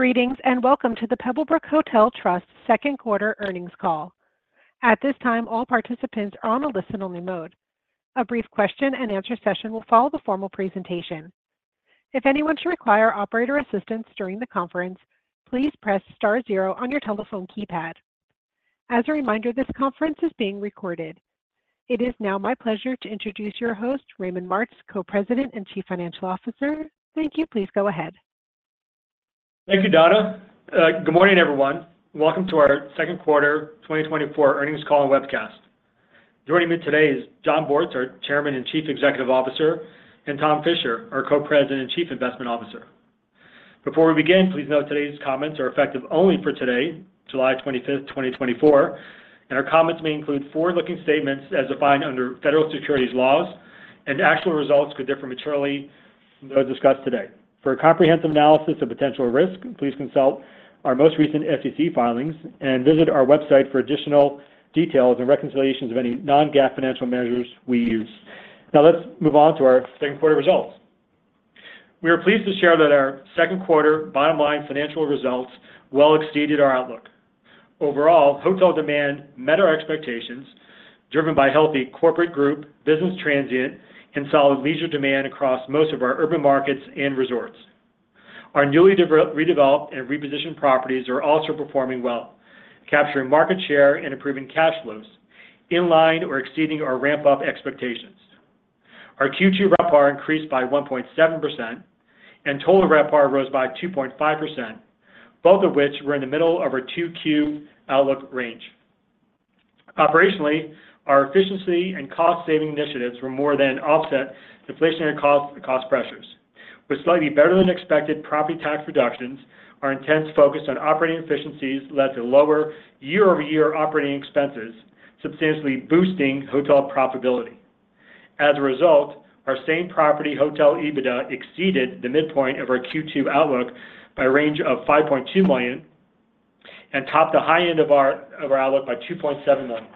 Greetings and welcome to the Pebblebrook Hotel Trust Q2 earnings call. At this time, all participants are on a listen-only mode. A brief Q&A session will follow the formal presentation. If anyone should require operator assistance during the conference, please press star zero on your telephone keypad. As a reminder, this conference is being recorded. It is now my pleasure to introduce your host, Raymond Martz, Co-President and Chief Financial Officer. Thank you. Please go ahead. Thank you, Donna. Good morning, everyone. Welcome to our Q2 2024 earnings call and webcast. Joining me today is Jon Bortz, our Chairman and Chief Executive Officer, and Tom Fisher, our Co-President and Chief Investment Officer. Before we begin, please note today's comments are effective only for today, July 25th, 2024, and our comments may include forward-looking statements as defined under federal securities laws, and actual results could differ materially from those discussed today. For a comprehensive analysis of potential risk, please consult our most recent SEC filings and visit our website for additional details and reconciliations of any non-GAAP financial measures we use. Now, let's move on to our Q2 results. We are pleased to share that our Q2 bottom line financial results well exceeded our outlook. Overall, hotel demand met our expectations, driven by healthy corporate group business, transient and solid leisure demand across most of our urban markets and resorts. Our newly redeveloped and repositioned properties are also performing well, capturing market share and improving cash flows, in line or exceeding our ramp-up expectations. Our Q2 RevPAR increased by 1.7%, and total RevPAR rose by 2.5%, both of which were in the middle of our 2Q outlook range. Operationally, our efficiency and cost-saving initiatives were more than offset deflationary costs and cost pressures. With slightly better than expected property tax reductions, our intense focus on operating efficiencies led to lower year-over-year operating expenses, substantially boosting hotel profitability. As a result, our Same-Property Hotel EBITDA exceeded the midpoint of our Q2 outlook by $5.2 million and topped the high end of our outlook by $2.7 million.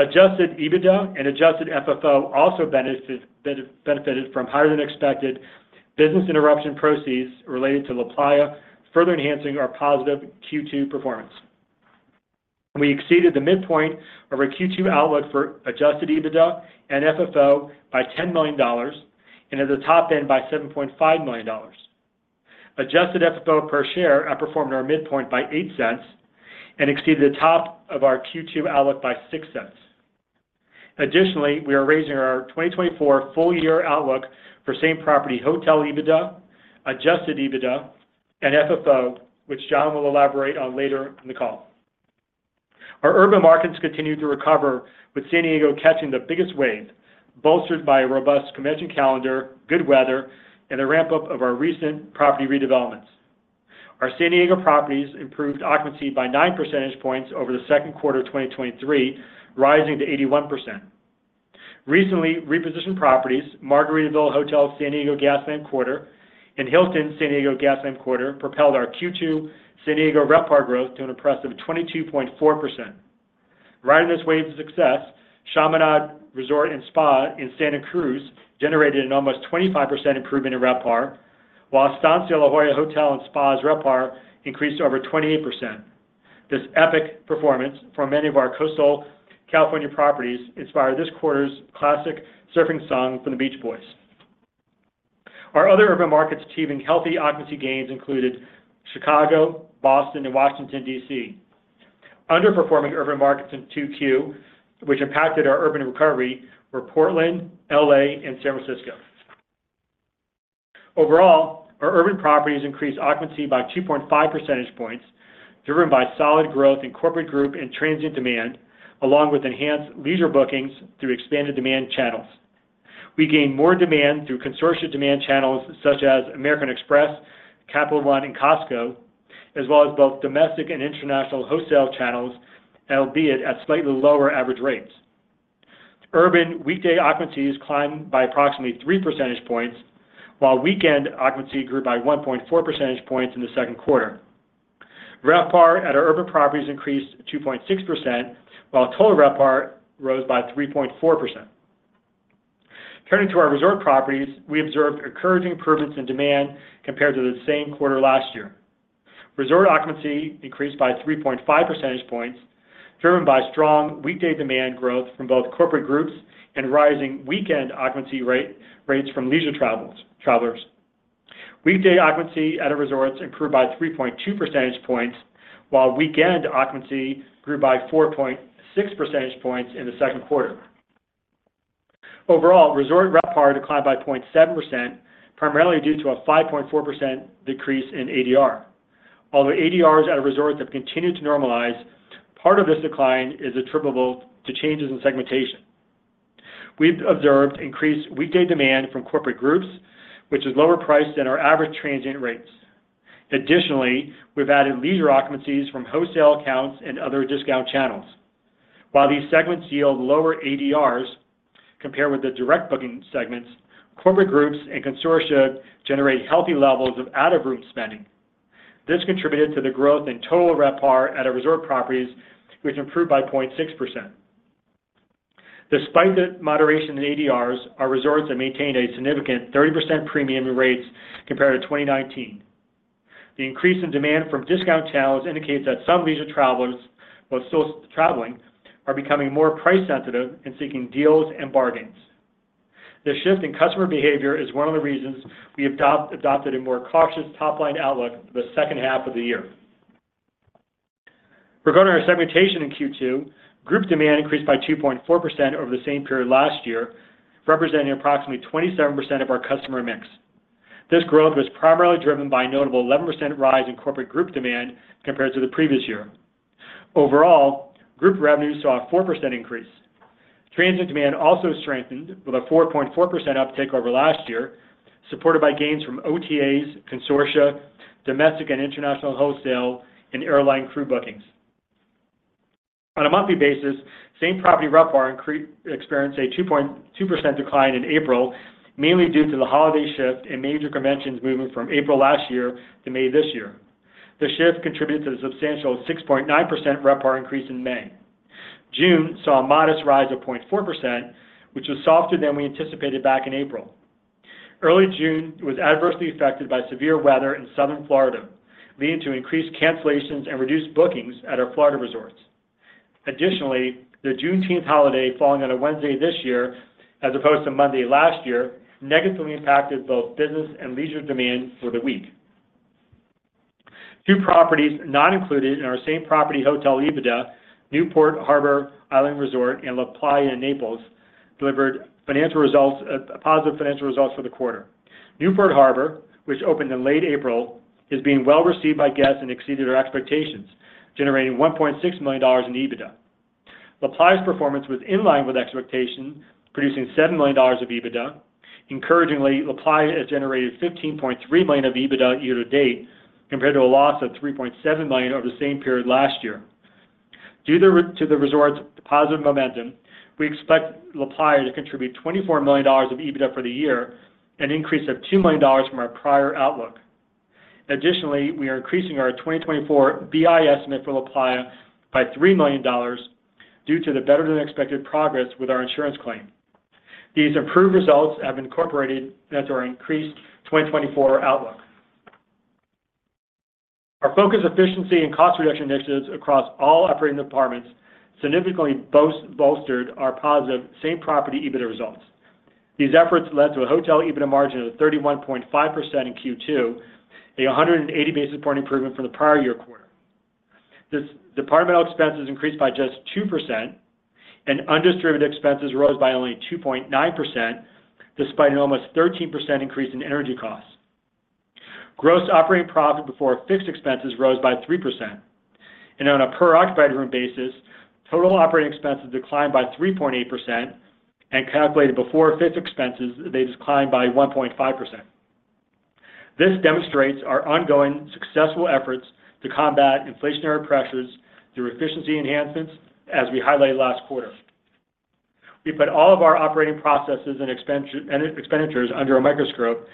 Adjusted EBITDA and adjusted FFO also benefited from higher than expected business interruption proceeds related to LaPlaya, further enhancing our positive Q2 performance. We exceeded the midpoint of our Q2 outlook for adjusted EBITDA and FFO by $10 million and at the top end by $7.5 million. Adjusted FFO per share outperformed our midpoint by $0.08 and exceeded the top of our Q2 outlook by $0.06. Additionally, we are raising our 2024 full year outlook for Same-Property Hotel EBITDA, adjusted EBITDA, and FFO, which Jon will elaborate on later in the call. Our urban markets continued to recover, with San Diego catching the biggest wave, bolstered by a robust convention calendar, good weather, and the ramp-up of our recent property redevelopments. Our San Diego properties improved occupancy by 9 percentage points over the Q2 of 2023, rising to 81%. Recently, repositioned properties, Margaritaville Hotel San Diego Gaslamp Quarter and Hilton San Diego Gaslamp Quarter, propelled our Q2 San Diego RevPAR growth to an impressive 22.4%. Riding this wave of success, Chaminade Resort & Spa in Santa Cruz generated an almost 25% improvement in RevPAR, while Estancia La Jolla Hotel & Spa's RevPAR increased over 28%. This epic performance from many of our coastal California properties inspired this quarter's classic surfing song from The Beach Boys. Our other urban markets achieving healthy occupancy gains included Chicago, Boston, and Washington, D.C. Underperforming urban markets in 2Q, which impacted our urban recovery, were Portland, L.A., and San Francisco. Overall, our urban properties increased occupancy by 2.5 percentage points, driven by solid growth in corporate group and transient demand, along with enhanced leisure bookings through expanded demand channels. We gained more demand through consortium demand channels such as American Express, Capital One, and Costco, as well as both domestic and international wholesale channels, albeit at slightly lower average rates. Urban weekday occupancies climbed by approximately 3 percentage points, while weekend occupancy grew by 1.4 percentage points in the Q2. RevPAR at our urban properties increased 2.6%, while Total RevPAR rose by 3.4%. Turning to our resort properties, we observed encouraging improvements in demand compared to the same quarter last year. Resort occupancy increased by 3.5 percentage points, driven by strong weekday demand growth from both corporate groups and rising weekend occupancy rates from leisure travelers. Weekday occupancy at our resorts improved by 3.2 percentage points, while weekend occupancy grew by 4.6 percentage points in the Q2. Overall, resort RevPAR declined by 0.7%, primarily due to a 5.4% decrease in ADR. Although ADRs at our resorts have continued to normalize, part of this decline is attributable to changes in segmentation. We've observed increased weekday demand from corporate groups, which is lower priced than our average transient rates. Additionally, we've added leisure occupancies from wholesale accounts and other discount channels. While these segments yield lower ADRs compared with the direct booking segments, corporate groups and consortia generate healthy levels of out-of-room spending. This contributed to the growth in total RevPAR at our resort properties, which improved by 0.6%. Despite the moderation in ADRs, our resorts have maintained a significant 30% premium rates compared to 2019. The increase in demand from discount channels indicates that some leisure travelers, while still traveling, are becoming more price sensitive and seeking deals and bargains. This shift in customer behavior is one of the reasons we adopted a more cautious top-line outlook for the second half of the year. Regarding our segmentation in Q2, group demand increased by 2.4% over the same period last year, representing approximately 27% of our customer mix. This growth was primarily driven by a notable 11% rise in corporate group demand compared to the previous year. Overall, group revenues saw a 4% increase. Transient demand also strengthened with a 4.4% uptake over last year, supported by gains from OTAs, consortia, domestic and international wholesale, and airline crew bookings. On a monthly basis, same property RevPAR experienced a 2.2% decline in April, mainly due to the holiday shift and major conventions moving from April last year to May this year. The shift contributed to the substantial 6.9% RevPAR increase in May. June saw a modest rise of 0.4%, which was softer than we anticipated back in April. Early June was adversely affected by severe weather in southern Florida, leading to increased cancellations and reduced bookings at our Florida resorts. Additionally, the Juneteenth holiday falling on a Wednesday this year, as opposed to Monday last year, negatively impacted both business and leisure demand for the week. Two properties not included in our same property hotel EBITDA, Newport Harbor Island Resort and LaPlaya Naples, delivered positive financial results for the quarter. Newport Harbor, which opened in late April, is being well received by guests and exceeded our expectations, generating $1.6 million in EBITDA. LaPlaya's performance was in line with expectations, producing $7 million of EBITDA. Encouragingly, LaPlaya has generated $15.3 million of EBITDA year to date compared to a loss of $3.7 million over the same period last year. Due to the resort's positive momentum, we expect LaPlaya to contribute $24 million of EBITDA for the year and an increase of $2 million from our prior outlook. Additionally, we are increasing our 2024 BI estimate for LaPlaya by $3 million due to the better-than-expected progress with our insurance claim. These improved results have incorporated into our increased 2024 outlook. Our focus on efficiency and cost reduction initiatives across all operating departments significantly bolstered our positive same property EBITDA results. These efforts led to a hotel EBITDA margin of 31.5% in Q2, a 180 basis point improvement from the prior year quarter. Departmental expenses increased by just 2%, and undistributed expenses rose by only 2.9%, despite an almost 13% increase in energy costs. Gross operating profit before fixed expenses rose by 3%. On a per-occupied room basis, total operating expenses declined by 3.8%, and calculated before fixed expenses, they declined by 1.5%. This demonstrates our ongoing successful efforts to combat inflationary pressures through efficiency enhancements, as we highlighted last quarter. We put all of our operating processes and expenditures under a microscope,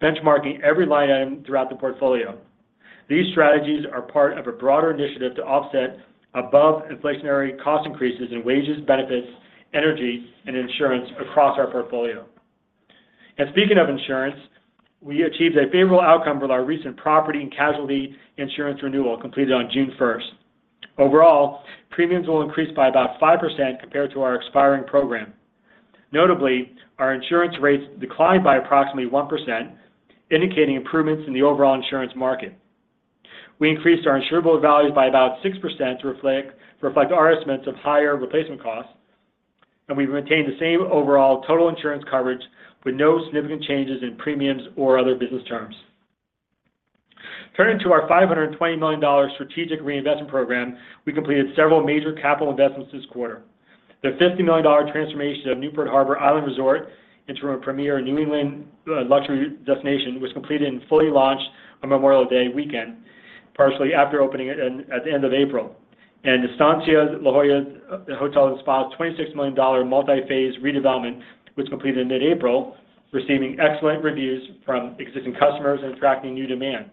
benchmarking every line item throughout the portfolio. These strategies are part of a broader initiative to offset above-inflationary cost increases in wages, benefits, energy, and insurance across our portfolio. Speaking of insurance, we achieved a favorable outcome with our recent property and casualty insurance renewal completed on June 1st. Overall, premiums will increase by about 5% compared to our expiring program. Notably, our insurance rates declined by approximately 1%, indicating improvements in the overall insurance market. We increased our insurable values by about 6% to reflect our estimates of higher replacement costs, and we've maintained the same overall total insurance coverage with no significant changes in premiums or other business terms. Turning to our $520 million strategic reinvestment program, we completed several major capital investments this quarter. The $50 million transformation of Newport Harbor Island Resort into a premier New England luxury destination was completed and fully launched on Memorial Day weekend, partially after opening at the end of April. The Estancia La Jolla Hotel & Spa's $26 million multi-phase redevelopment was completed in mid-April, receiving excellent reviews from existing customers and attracting new demand.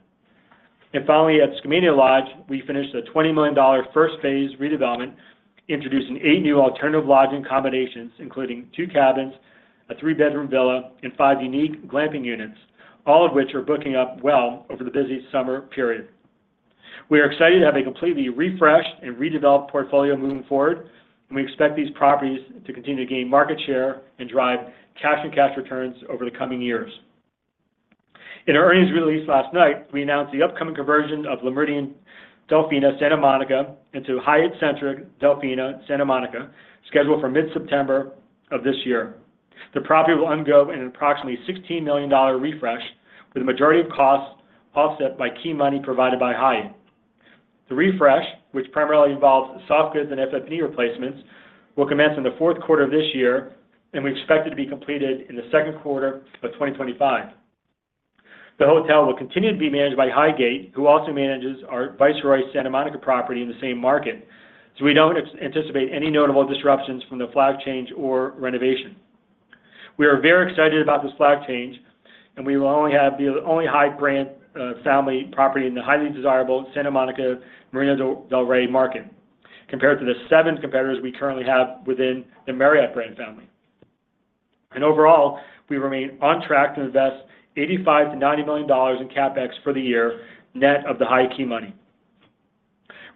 And finally, at Skamania Lodge, we finished a $20 million first-phase redevelopment, introducing eight new alternative lodging combinations, including two cabins, a three-bedroom villa, and five unique glamping units, all of which are booking up well over the busy summer period. We are excited to have a completely refreshed and redeveloped portfolio moving forward, and we expect these properties to continue to gain market share and drive cash-on-cash returns over the coming years. In our earnings released last night, we announced the upcoming conversion of Le Méridien Delfina Santa Monica into Hyatt Centric Delfina Santa Monica, scheduled for mid-September of this year. The property will undergo an approximately $16 million refresh, with the majority of costs offset by key money provided by Hyatt. The refresh, which primarily involves soft goods and FF&E replacements, will commence in the Q4 of this year, and we expect it to be completed in the Q2 of 2025. The hotel will continue to be managed by Highgate, who also manages our Viceroy Santa Monica property in the same market, so we don't anticipate any notable disruptions from the flag change or renovation. We are very excited about this flag change, and we will only have the only Hyatt brand family property in the highly desirable Santa Monica Marina del Rey market, compared to the seven competitors we currently have within the Marriott brand family. Overall, we remain on track to invest $85 million-$90 million in CapEx for the year, net of the Hyatt key money.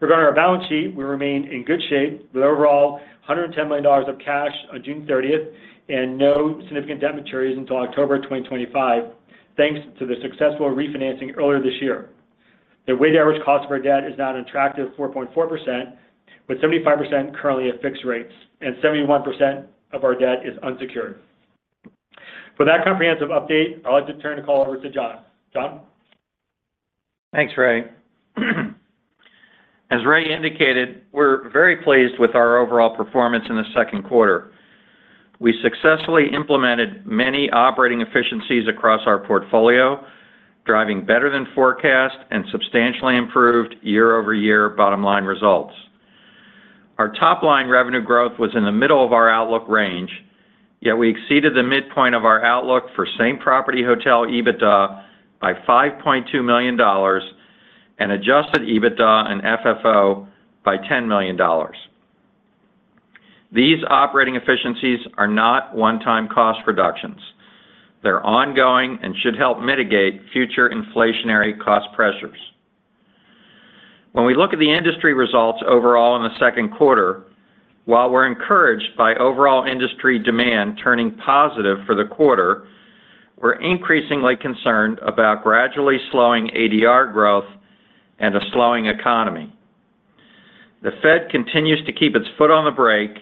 Regarding our balance sheet, we remain in good shape with overall $110 million of cash on June 30th and no significant debt maturities until October 2025, thanks to the successful refinancing earlier this year. The weighted average cost of our debt is now an attractive 4.4%, with 75% currently at fixed rates, and 71% of our debt is unsecured. For that comprehensive update, I'd like to turn the call over to Jon. Jon. Thanks, Ray. As Ray indicated, we're very pleased with our overall performance in the Q2. We successfully implemented many operating efficiencies across our portfolio, driving better-than-forecast and substantially improved year-over-year bottom-line results. Our top-line revenue growth was in the middle of our outlook range, yet we exceeded the midpoint of our outlook for same property hotel EBITDA by $5.2 million and adjusted EBITDA and FFO by $10 million. These operating efficiencies are not one-time cost reductions. They're ongoing and should help mitigate future inflationary cost pressures. When we look at the industry results overall in the Q2, while we're encouraged by overall industry demand turning positive for the quarter, we're increasingly concerned about gradually slowing ADR growth and a slowing economy. The Fed continues to keep its foot on the brake,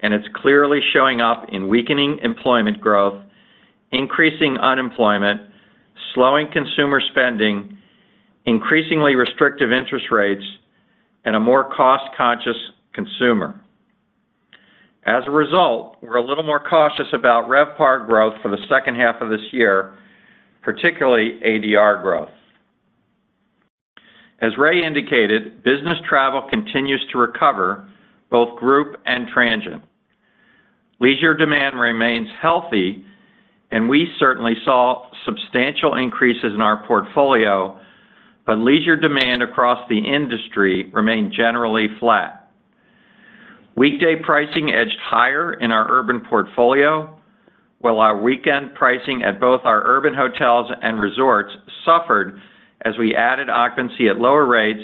and it's clearly showing up in weakening employment growth, increasing unemployment, slowing consumer spending, increasingly restrictive interest rates, and a more cost-conscious consumer. As a result, we're a little more cautious about RevPAR growth for the second half of this year, particularly ADR growth. As Ray indicated, business travel continues to recover, both group and transient. Leisure demand remains healthy, and we certainly saw substantial increases in our portfolio, but leisure demand across the industry remained generally flat. Weekday pricing edged higher in our urban portfolio, while our weekend pricing at both our urban hotels and resorts suffered as we added occupancy at lower rates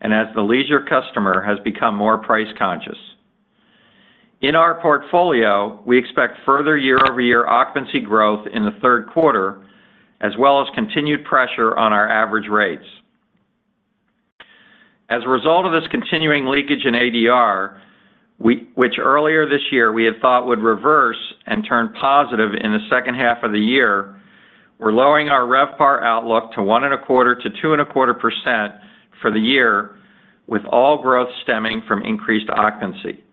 and as the leisure customer has become more price conscious. In our portfolio, we expect further year-over-year occupancy growth in the Q3, as well as continued pressure on our average rates. As a result of this continuing leakage in ADR, which earlier this year we had thought would reverse and turn positive in the second half of the year, we're lowering our RevPAR outlook to 1.25%-2.25% for the year, with all growth stemming from increased occupancy.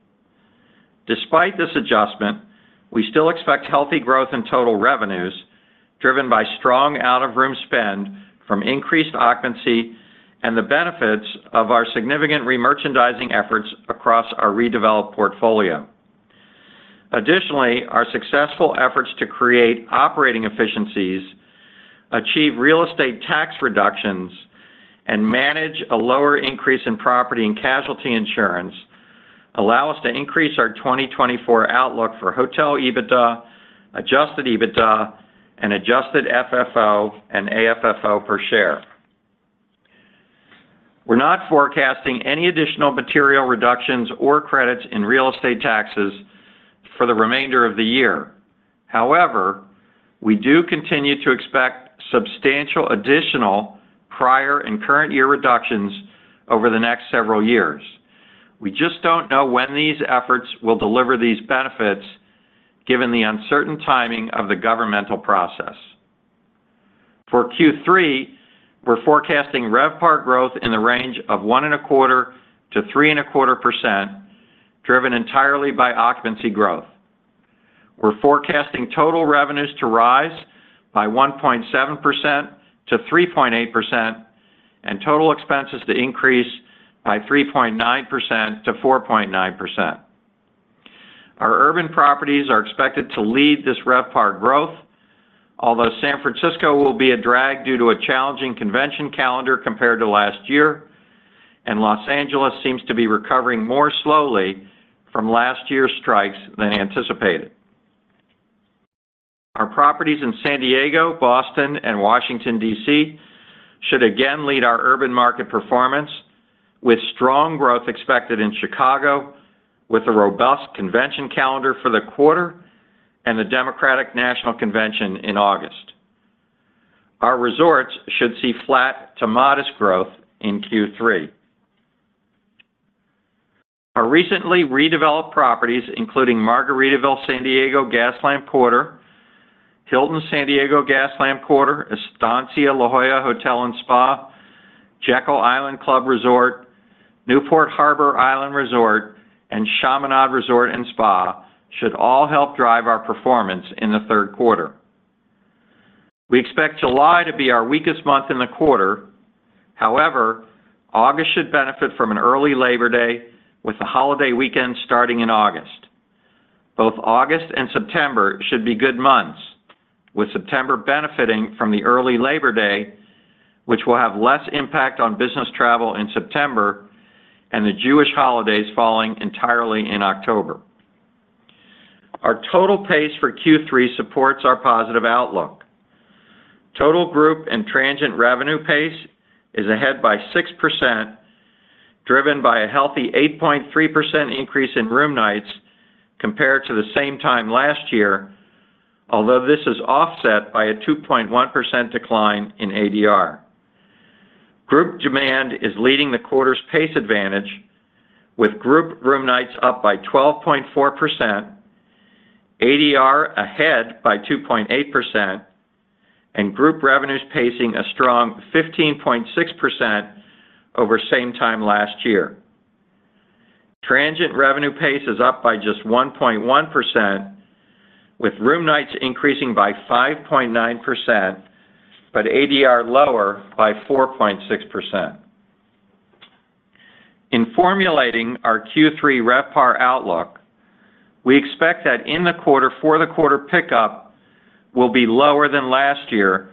Despite this adjustment, we still expect healthy growth in total revenues, driven by strong out-of-room spend from increased occupancy and the benefits of our significant re-merchandising efforts across our redeveloped portfolio. Additionally, our successful efforts to create operating efficiencies, achieve real estate tax reductions, and manage a lower increase in property and casualty insurance allow us to increase our 2024 outlook for hotel EBITDA, adjusted EBITDA, and adjusted FFO and AFFO per share. We're not forecasting any additional material reductions or credits in real estate taxes for the remainder of the year. However, we do continue to expect substantial additional prior and current year reductions over the next several years. We just don't know when these efforts will deliver these benefits, given the uncertain timing of the governmental process. For Q3, we're forecasting RevPAR growth in the range of 1.25%-3.25%, driven entirely by occupancy growth. We're forecasting total revenues to rise by 1.7%-3.8% and total expenses to increase by 3.9%-4.9%. Our urban properties are expected to lead this RevPAR growth, although San Francisco will be a drag due to a challenging convention calendar compared to last year, and Los Angeles seems to be recovering more slowly from last year's strikes than anticipated. Our properties in San Diego, Boston, and Washington, D.C. should again lead our urban market performance, with strong growth expected in Chicago, with a robust convention calendar for the quarter and the Democratic National Convention in August. Our resorts should see flat to modest growth in Q3. Our recently redeveloped properties, including Margaritaville Hotel San Diego Gaslamp Quarter, Hilton San Diego Gaslamp Quarter, Estancia La Jolla Hotel & Spa, Jekyll Island Club Resort, Newport Harbor Island Resort, and Chaminade Resort & Spa, should all help drive our performance in the Q3. We expect July to be our weakest month in the quarter. However, August should benefit from an early Labor Day, with the holiday weekend starting in August. Both August and September should be good months, with September benefiting from the early Labor Day, which will have less impact on business travel in September and the Jewish holidays falling entirely in October. Our total pace for Q3 supports our positive outlook. Total group and transient revenue pace is ahead by 6%, driven by a healthy 8.3% increase in room nights compared to the same time last year, although this is offset by a 2.1% decline in ADR. Group demand is leading the quarter's pace advantage, with group room nights up by 12.4%, ADR ahead by 2.8%, and group revenues pacing a strong 15.6% over same time last year. Transient revenue pace is up by just 1.1%, with room nights increasing by 5.9%, but ADR lower by 4.6%. In formulating our Q3 RevPAR outlook, we expect that in the quarter-over-quarter pickup will be lower than last year,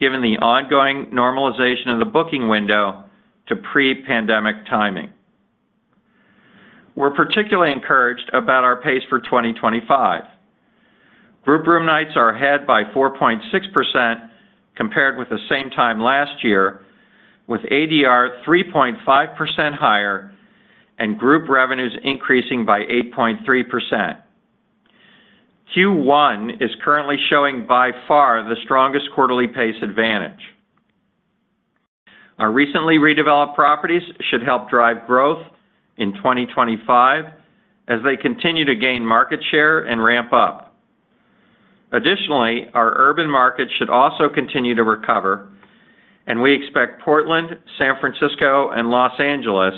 given the ongoing normalization of the booking window to pre-pandemic timing. We're particularly encouraged about our pace for 2025. Group room nights are ahead by 4.6% compared with the same time last year, with ADR 3.5% higher and group revenues increasing by 8.3%. Q1 is currently showing by far the strongest quarterly pace advantage. Our recently redeveloped properties should help drive growth in 2025 as they continue to gain market share and ramp up. Additionally, our urban markets should also continue to recover, and we expect Portland, San Francisco, and Los Angeles,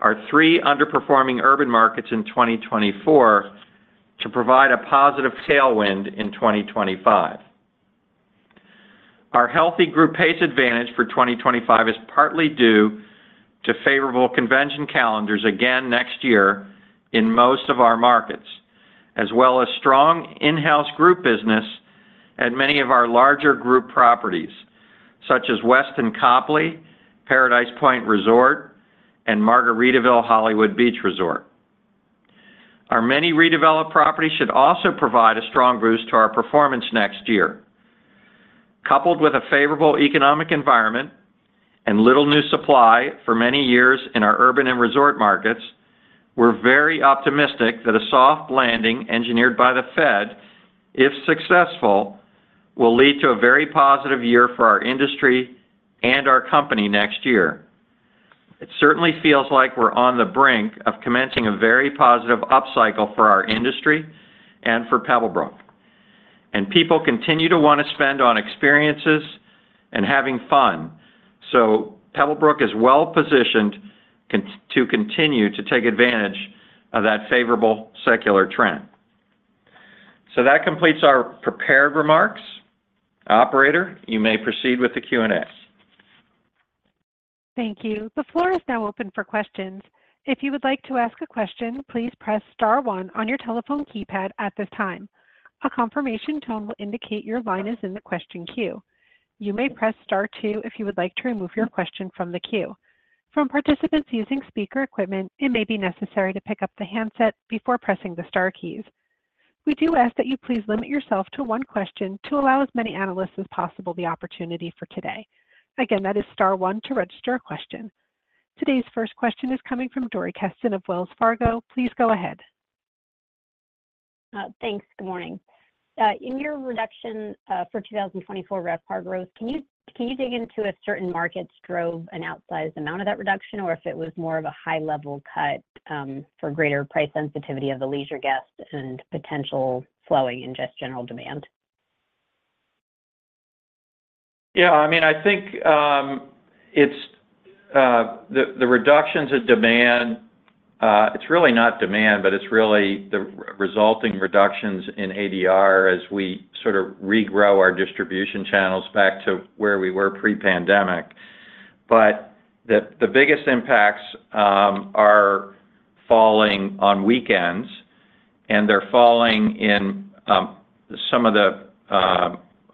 our three underperforming urban markets in 2024, to provide a positive tailwind in 2025. Our healthy group pace advantage for 2025 is partly due to favorable convention calendars again next year in most of our markets, as well as strong in-house group business at many of our larger group properties, such as The Westin Copley Place, Boston, Paradise Point Resort, and Margaritaville Hollywood Beach Resort. Our many redeveloped properties should also provide a strong boost to our performance next year. Coupled with a favorable economic environment and little new supply for many years in our urban and resort markets, we're very optimistic that a soft landing engineered by the Fed, if successful, will lead to a very positive year for our industry and our company next year. It certainly feels like we're on the brink of commencing a very positive upcycle for our industry and for Pebblebrook. People continue to want to spend on experiences and having fun, so Pebblebrook is well positioned to continue to take advantage of that favorable secular trend. That completes our prepared remarks. Operator, you may proceed with the Q&A. Thank you. The floor is now open for questions. If you would like to ask a question, please press Star one on your telephone keypad at this time. A confirmation tone will indicate your line is in the question queue. You may press Star two if you would like to remove your question from the queue. From participants using speaker equipment, it may be necessary to pick up the handset before pressing the Star keys. We do ask that you please limit yourself to one question to allow as many analysts as possible the opportunity for today. Again, that is Star one to register a question. Today's first question is coming from Dori Kesten of Wells Fargo. Please go ahead. Thanks. Good morning. In your reduction for 2024 RevPAR growth, can you dig into if certain markets drove an outsized amount of that reduction or if it was more of a high-level cut for greater price sensitivity of the leisure guests and potential slowing in just general demand? Yeah. I mean, I think the reductions in demand, it's really not demand, but it's really the resulting reductions in ADR as we sort of regrow our distribution channels back to where we were pre-pandemic. But the biggest impacts are falling on weekends, and they're falling in some of the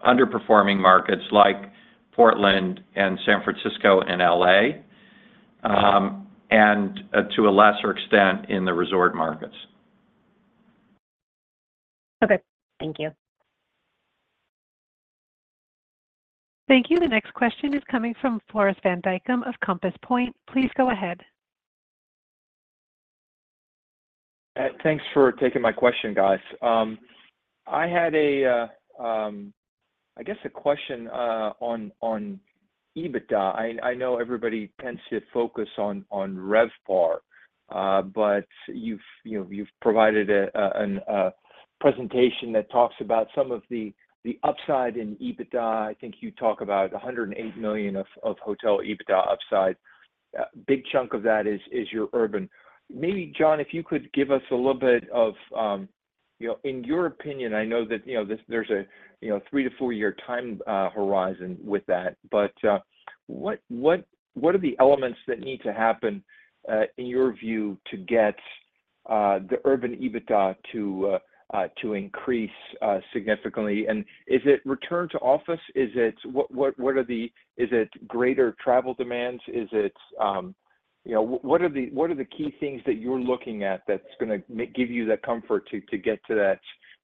underperforming markets like Portland and San Francisco and LA, and to a lesser extent in the resort markets. Okay. Thank you. Thank you. The next question is coming from Floris van Dijkum of Compass Point. Please go ahead. Thanks for taking my question, guys. I had, I guess, a question on EBITDA. I know everybody tends to focus on RevPAR, but you've provided a presentation that talks about some of the upside in EBITDA. I think you talk about $108 million of hotel EBITDA upside. A big chunk of that is your urban. Maybe, Jon, if you could give us a little bit of, in your opinion, I know that there's a three-four year time horizon with that, but what are the elements that need to happen, in your view, to get the urban EBITDA to increase significantly? And is it return to office? What are the—is it greater travel demands? Is it—what are the key things that you're looking at that's going to give you that comfort to get to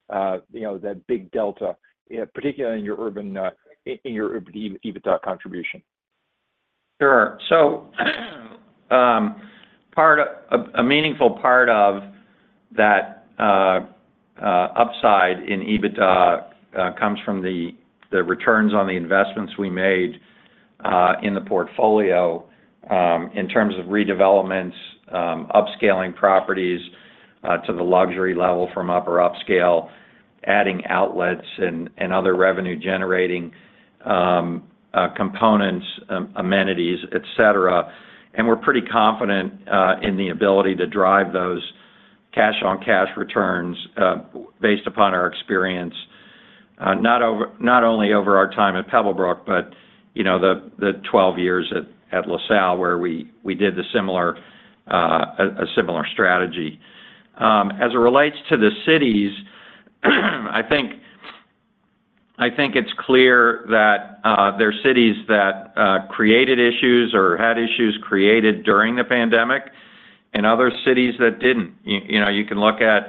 that big delta, particularly in your urban EBITDA contribution? Sure. So a meaningful part of that upside in EBITDA comes from the returns on the investments we made in the portfolio in terms of redevelopments, upscaling properties to the luxury level from up or upscale, adding outlets and other revenue-generating components, amenities, etc. And we're pretty confident in the ability to drive those cash-on-cash returns based upon our experience, not only over our time at Pebblebrook, but the 12 years at LaSalle where we did a similar strategy. As it relates to the cities, I think it's clear that there are cities that created issues or had issues created during the pandemic and other cities that didn't. You can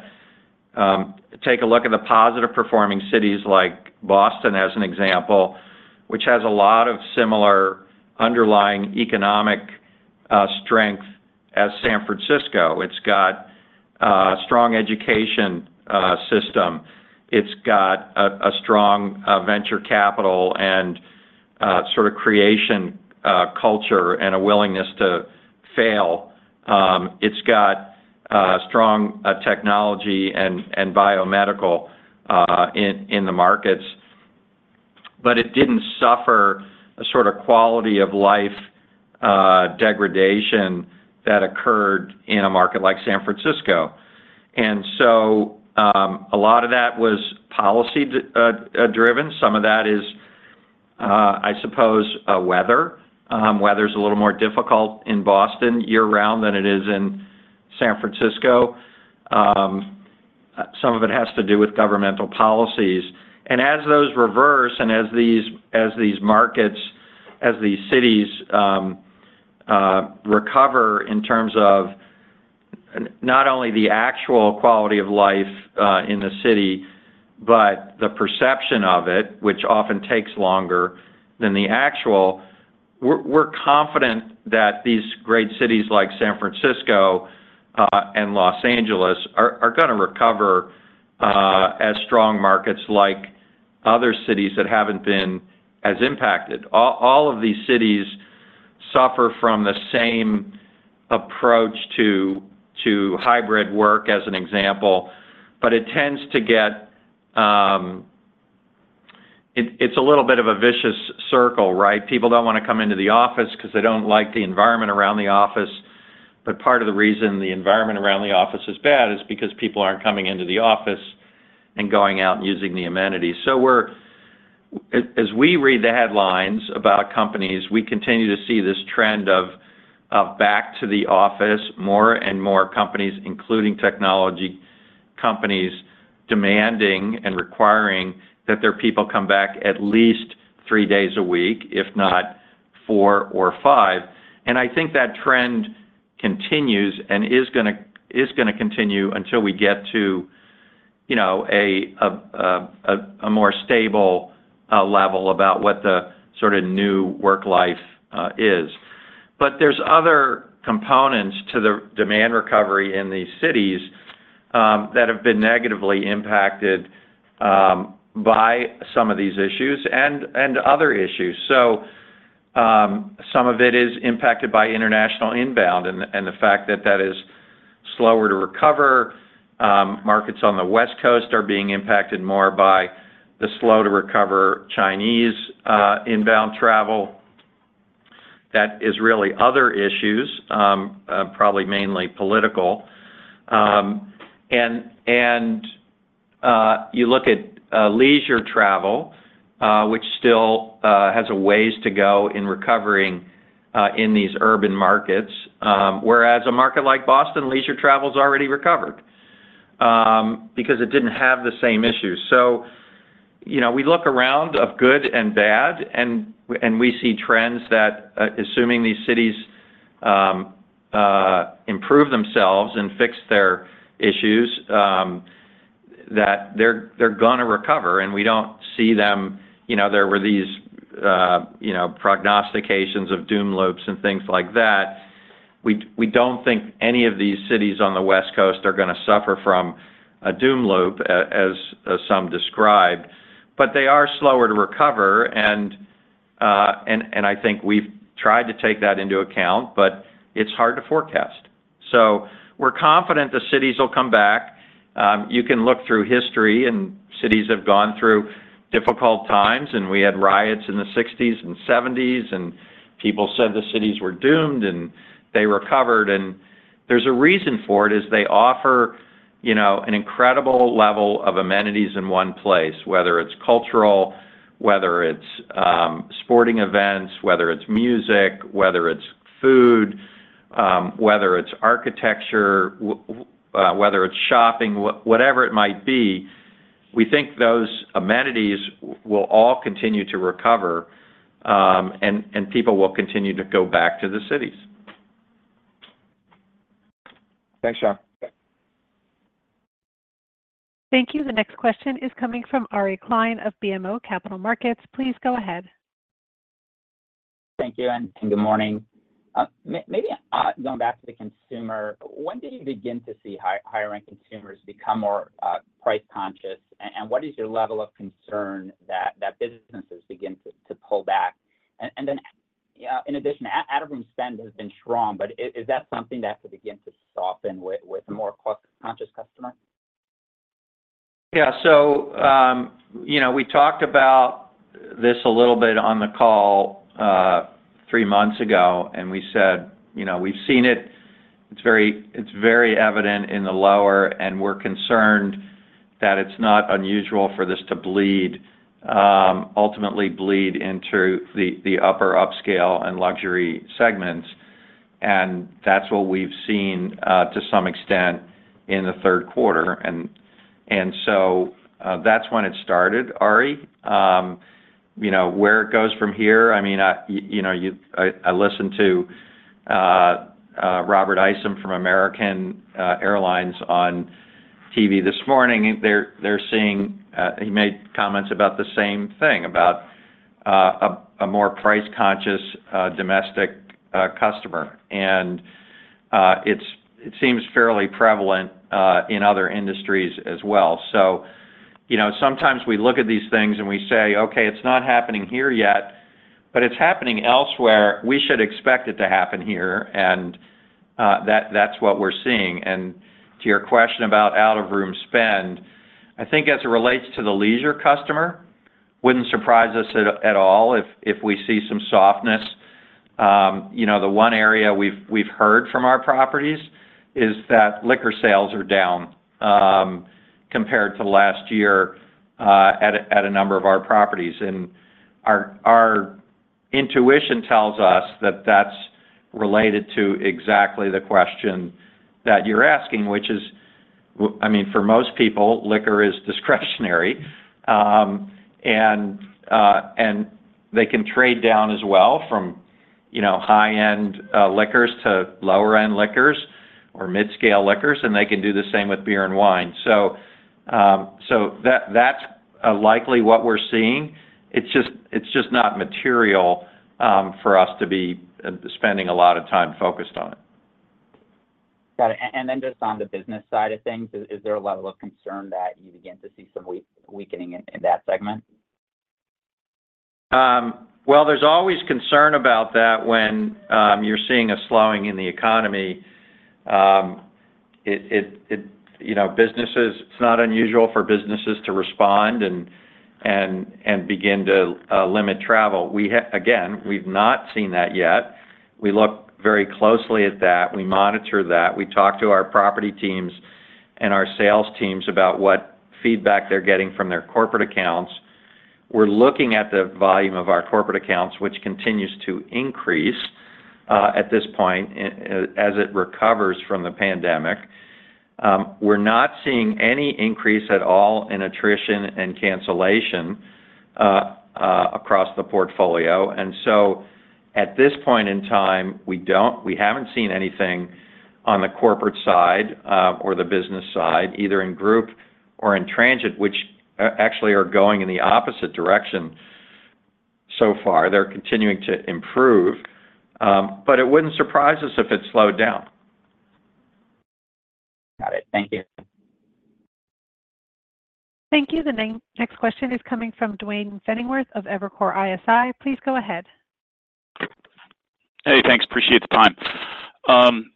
take a look at the positive-performing cities like Boston, as an example, which has a lot of similar underlying economic strength as San Francisco. It's got a strong education system. It's got a strong venture capital and sort of creation culture and a willingness to fail. It's got strong technology and biomedical in the markets, but it didn't suffer a sort of quality-of-life degradation that occurred in a market like San Francisco. And so a lot of that was policy-driven. Some of that is, I suppose, weather. Weather's a little more difficult in Boston year-round than it is in San Francisco. Some of it has to do with governmental policies. And as those reverse and as these markets, as these cities recover in terms of not only the actual quality of life in the city, but the perception of it, which often takes longer than the actual, we're confident that these great cities like San Francisco and Los Angeles are going to recover as strong markets like other cities that haven't been as impacted. All of these cities suffer from the same approach to hybrid work, as an example, but it tends to get, it's a little bit of a vicious circle, right? People don't want to come into the office because they don't like the environment around the office. But part of the reason the environment around the office is bad is because people aren't coming into the office and going out and using the amenities. So as we read the headlines about companies, we continue to see this trend of back-to-the-office more and more companies, including technology companies, demanding and requiring that their people come back at least three days a week, if not four or five. And I think that trend continues and is going to continue until we get to a more stable level about what the sort of new work life is. But there's other components to the demand recovery in these cities that have been negatively impacted by some of these issues and other issues. So some of it is impacted by international inbound and the fact that that is slower to recover. Markets on the West Coast are being impacted more by the slow-to-recover Chinese inbound travel. That is really other issues, probably mainly political. And you look at leisure travel, which still has a ways to go in recovering in these urban markets, whereas a market like Boston, leisure travel's already recovered because it didn't have the same issues. So we look around of good and bad, and we see trends that, assuming these cities improve themselves and fix their issues, that they're going to recover, and we don't see them, there were these prognostications of doom loops and things like that. We don't think any of these cities on the West Coast are going to suffer from a doom loop, as some described, but they are slower to recover. I think we've tried to take that into account, but it's hard to forecast. We're confident the cities will come back. You can look through history, and cities have gone through difficult times, and we had riots in the 1960s and 1970s, and people said the cities were doomed, and they recovered. There's a reason for it, is they offer an incredible level of amenities in one place, whether it's cultural, whether it's sporting events, whether it's music, whether it's food, whether it's architecture, whether it's shopping, whatever it might be. We think those amenities will all continue to recover, and people will continue to go back to the cities. Thanks, Jon. Thank you. The next question is coming from Ari Klein of BMO Capital Markets. Please go ahead. Thank you. And good morning. Maybe going back to the consumer, when did you begin to see higher-ranked consumers become more price-conscious, and what is your level of concern that businesses begin to pull back? And then, in addition, out-of-room spend has been strong, but is that something that could begin to soften with a more cost-conscious customer? Yeah. So we talked about this a little bit on the call three months ago, and we said we've seen it. It's very evident in the lower, and we're concerned that it's not unusual for this to bleed, ultimately bleed into the upper upscale and luxury segments. And that's what we've seen to some extent in the Q3. And so that's when it started, Ari. Where it goes from here, I mean, I listened to Robert Isom from American Airlines on TV this morning. They're seeing he made comments about the same thing, about a more price-conscious domestic customer. And it seems fairly prevalent in other industries as well. So sometimes we look at these things and we say, "Okay, it's not happening here yet, but it's happening elsewhere. We should expect it to happen here." And that's what we're seeing. And to your question about out-of-room spend, I think as it relates to the leisure customer, it wouldn't surprise us at all if we see some softness. The one area we've heard from our properties is that liquor sales are down compared to last year at a number of our properties. Our intuition tells us that that's related to exactly the question that you're asking, which is, I mean, for most people, liquor is discretionary, and they can trade down as well from high-end liquors to lower-end liquors or mid-scale liquors, and they can do the same with beer and wine. That's likely what we're seeing. It's just not material for us to be spending a lot of time focused on it. Got it. Then just on the business side of things, is there a level of concern that you begin to see some weakening in that segment? Well, there's always concern about that when you're seeing a slowing in the economy. It's not unusual for businesses to respond and begin to limit travel. Again, we've not seen that yet. We look very closely at that. We monitor that. We talk to our property teams and our sales teams about what feedback they're getting from their corporate accounts. We're looking at the volume of our corporate accounts, which continues to increase at this point as it recovers from the pandemic. We're not seeing any increase at all in attrition and cancellation across the portfolio. And so at this point in time, we haven't seen anything on the corporate side or the business side, either in group or in transient, which actually are going in the opposite direction so far. They're continuing to improve, but it wouldn't surprise us if it slowed down. Got it. Thank you. Thank you. The next question is coming from Duane Pfennigwerth of Evercore ISI. Please go ahead. Hey, thanks. Appreciate the time.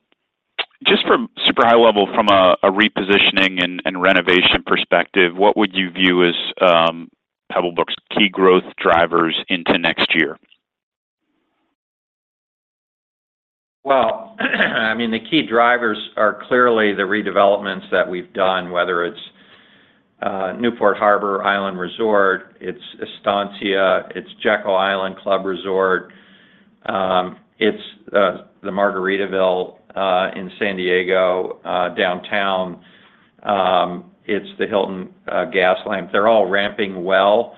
Just from super high level, from a repositioning and renovation perspective, what would you view as Pebblebrook's key growth drivers into next year? Well, I mean, the key drivers are clearly the redevelopments that we've done, whether it's Newport Harbor Island Resort, it's Estancia, it's Jekyll Island Club Resort, it's the Margaritaville in San Diego downtown, it's the Hilton Gaslamp. They're all ramping well.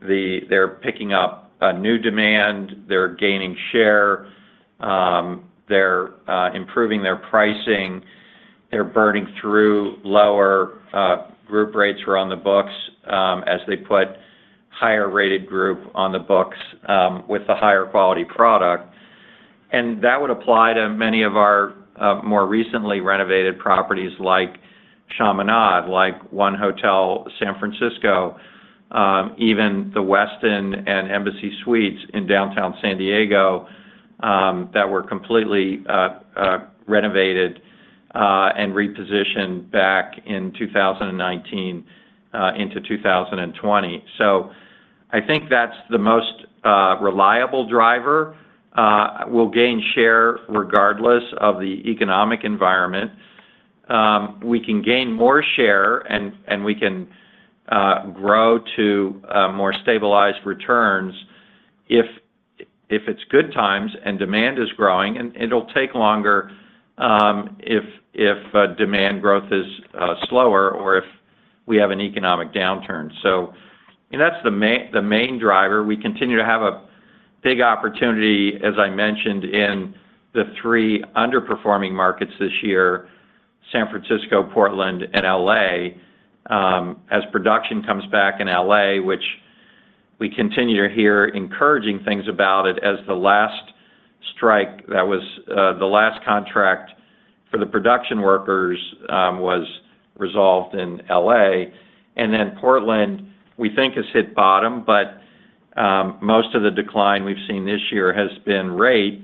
They're picking up new demand. They're gaining share. They're improving their pricing. They're burning through lower group rates for on-the-books as they put higher-rated group on-the-books with a higher-quality product. And that would apply to many of our more recently renovated properties like Chaminade, like 1 Hotel San Francisco, even the Westin and Embassy Suites in downtown San Diego that were completely renovated and repositioned back in 2019 into 2020. So I think that's the most reliable driver. We'll gain share regardless of the economic environment. We can gain more share, and we can grow to more stabilized returns if it's good times and demand is growing. And it'll take longer if demand growth is slower or if we have an economic downturn. So that's the main driver. We continue to have a big opportunity, as I mentioned, in the three underperforming markets this year, San Francisco, Portland, and LA, as production comes back in LA, which we continue to hear encouraging things about it as the last strike that was the last contract for the production workers was resolved in LA. And then Portland, we think, has hit bottom, but most of the decline we've seen this year has been rate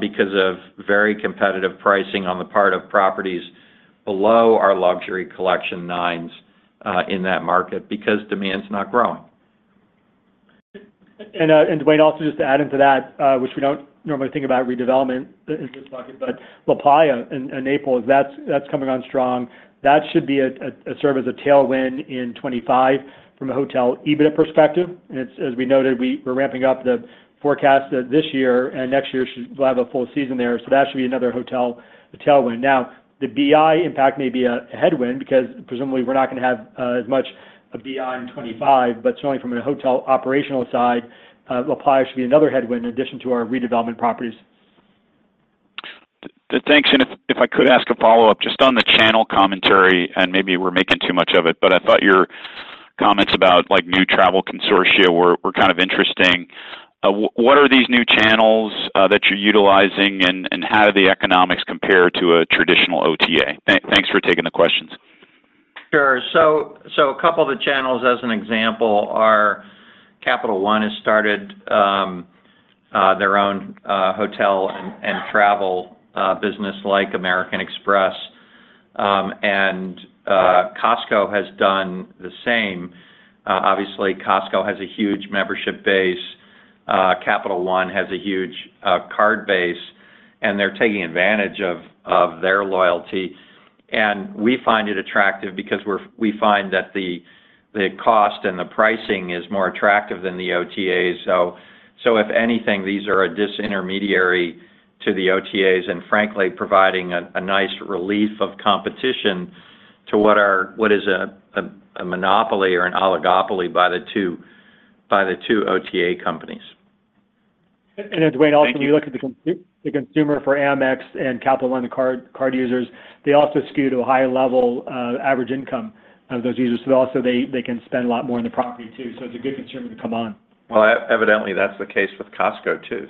because of very competitive pricing on the part of properties below our Luxury Collection nNines in that market because demand's not growing. And Duane, also just to add into that, which we don't normally think about redevelopment in this market, but LaPlaya and Naples, that's coming on strong. That should serve as a tailwind in 2025 from a hotel EBITDA perspective. As we noted, we're ramping up the forecast this year, and next year we'll have a full season there. So that should be another hotel tailwind. Now, the BI impact may be a headwind because presumably we're not going to have as much of BI in 2025, but certainly from a hotel operational side, LaPlaya should be another headwind in addition to our redevelopment properties. Thanks. And if I could ask a follow-up, just on the channel commentary, and maybe we're making too much of it, but I thought your comments about new travel consortia were kind of interesting. What are these new channels that you're utilizing, and how do the economics compare to a traditional OTA? Thanks for taking the questions. Sure. So a couple of the channels, as an example, are Capital One has started their own hotel and travel business like American Express, and Costco has done the same. Obviously, Costco has a huge membership base. Capital One has a huge card base, and they're taking advantage of their loyalty. And we find it attractive because we find that the cost and the pricing is more attractive than the OTAs. So if anything, these are a disintermediary to the OTAs and, frankly, providing a nice relief of competition to what is a monopoly or an oligopoly by the two OTA companies. And Duane, also, when you look at the consumer for Amex and Capital One card users, they also skew to a high-level average income of those users. So also, they can spend a lot more in the property too. So it's a good consumer to come on. Well, evidently, that's the case with Costco too.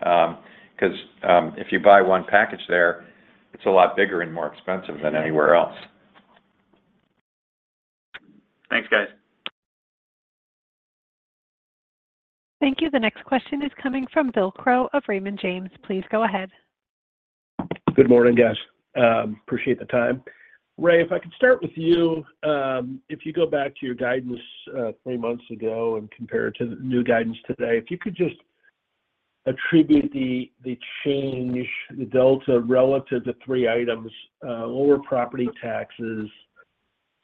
Because if you buy one package there, it's a lot bigger and more expensive than anywhere else. Thanks, guys. Thank you. The next question is coming from Bill Crow of Raymond James. Please go ahead. Good morning, guys. Appreciate the time. Ray, if I could start with you, if you go back to your guidance three months ago and compare it to the new guidance today, if you could just attribute the change, the delta relative to three items: lower property taxes,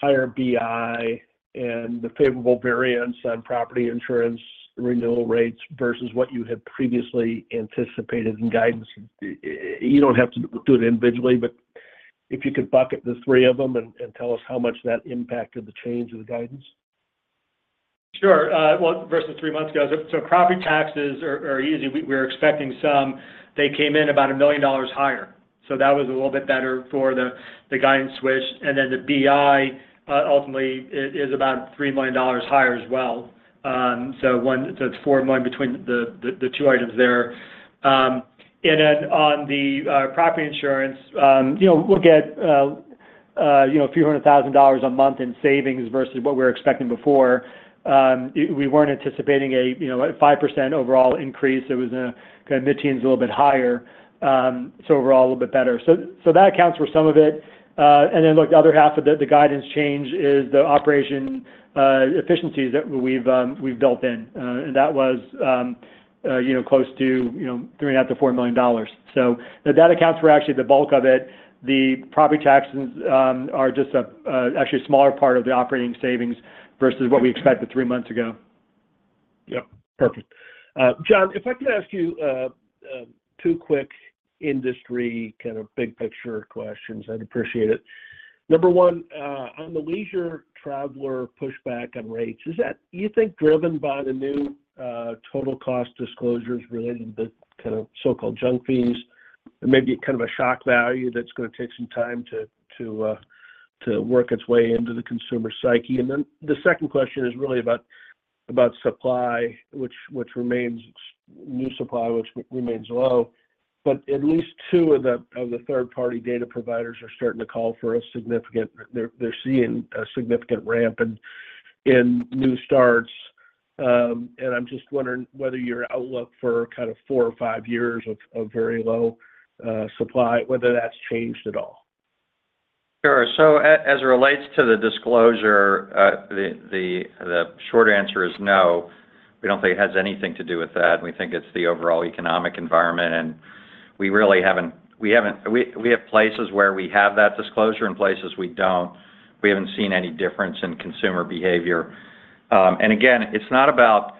higher BI, and the favorable variance on property insurance renewal rates versus what you had previously anticipated in guidance. You don't have to do it individually, but if you could bucket the three of them and tell us how much that impacted the change of the guidance. Sure. Well, versus three months ago, so property taxes are easy. We were expecting some. They came in about $1 million higher. So that was a little bit better for the guidance switch. And then the BI ultimately is about $3 million higher as well. So it's $4 million between the two items there. And then on the property insurance, we'll get a few hundred thousand dollars a month in savings versus what we were expecting before. We weren't anticipating a 5% overall increase. It was kind of mid-teens, a little bit higher. So overall, a little bit better. So that accounts for some of it. And then look, the other half of the guidance change is the operation efficiencies that we've built in. And that was close to $3.5 million-$4 million. So that accounts for actually the bulk of it. The property taxes are just actually a smaller part of the operating savings versus what we expected three months ago. Yep. Perfect. Jon, if I could ask you two quick industry kind of big picture questions, I'd appreciate it. Number one, on the leisure traveler pushback on rates, is that, do you think, driven by the new total cost disclosures related to the kind of so-called junk fees? Maybe kind of a shock value that's going to take some time to work its way into the consumer psyche. And then the second question is really about supply, which remains new supply, which remains low. But at least two of the third-party data providers are starting to call for a significant, they're seeing a significant ramp in new starts. And I'm just wondering whether your outlook for kind of four or five years of very low supply, whether that's changed at all. Sure. So as it relates to the disclosure, the short answer is no. We don't think it has anything to do with that. We think it's the overall economic environment. And we really haven't, we have places where we have that disclosure and places we don't. We haven't seen any difference in consumer behavior. And again, it's not about,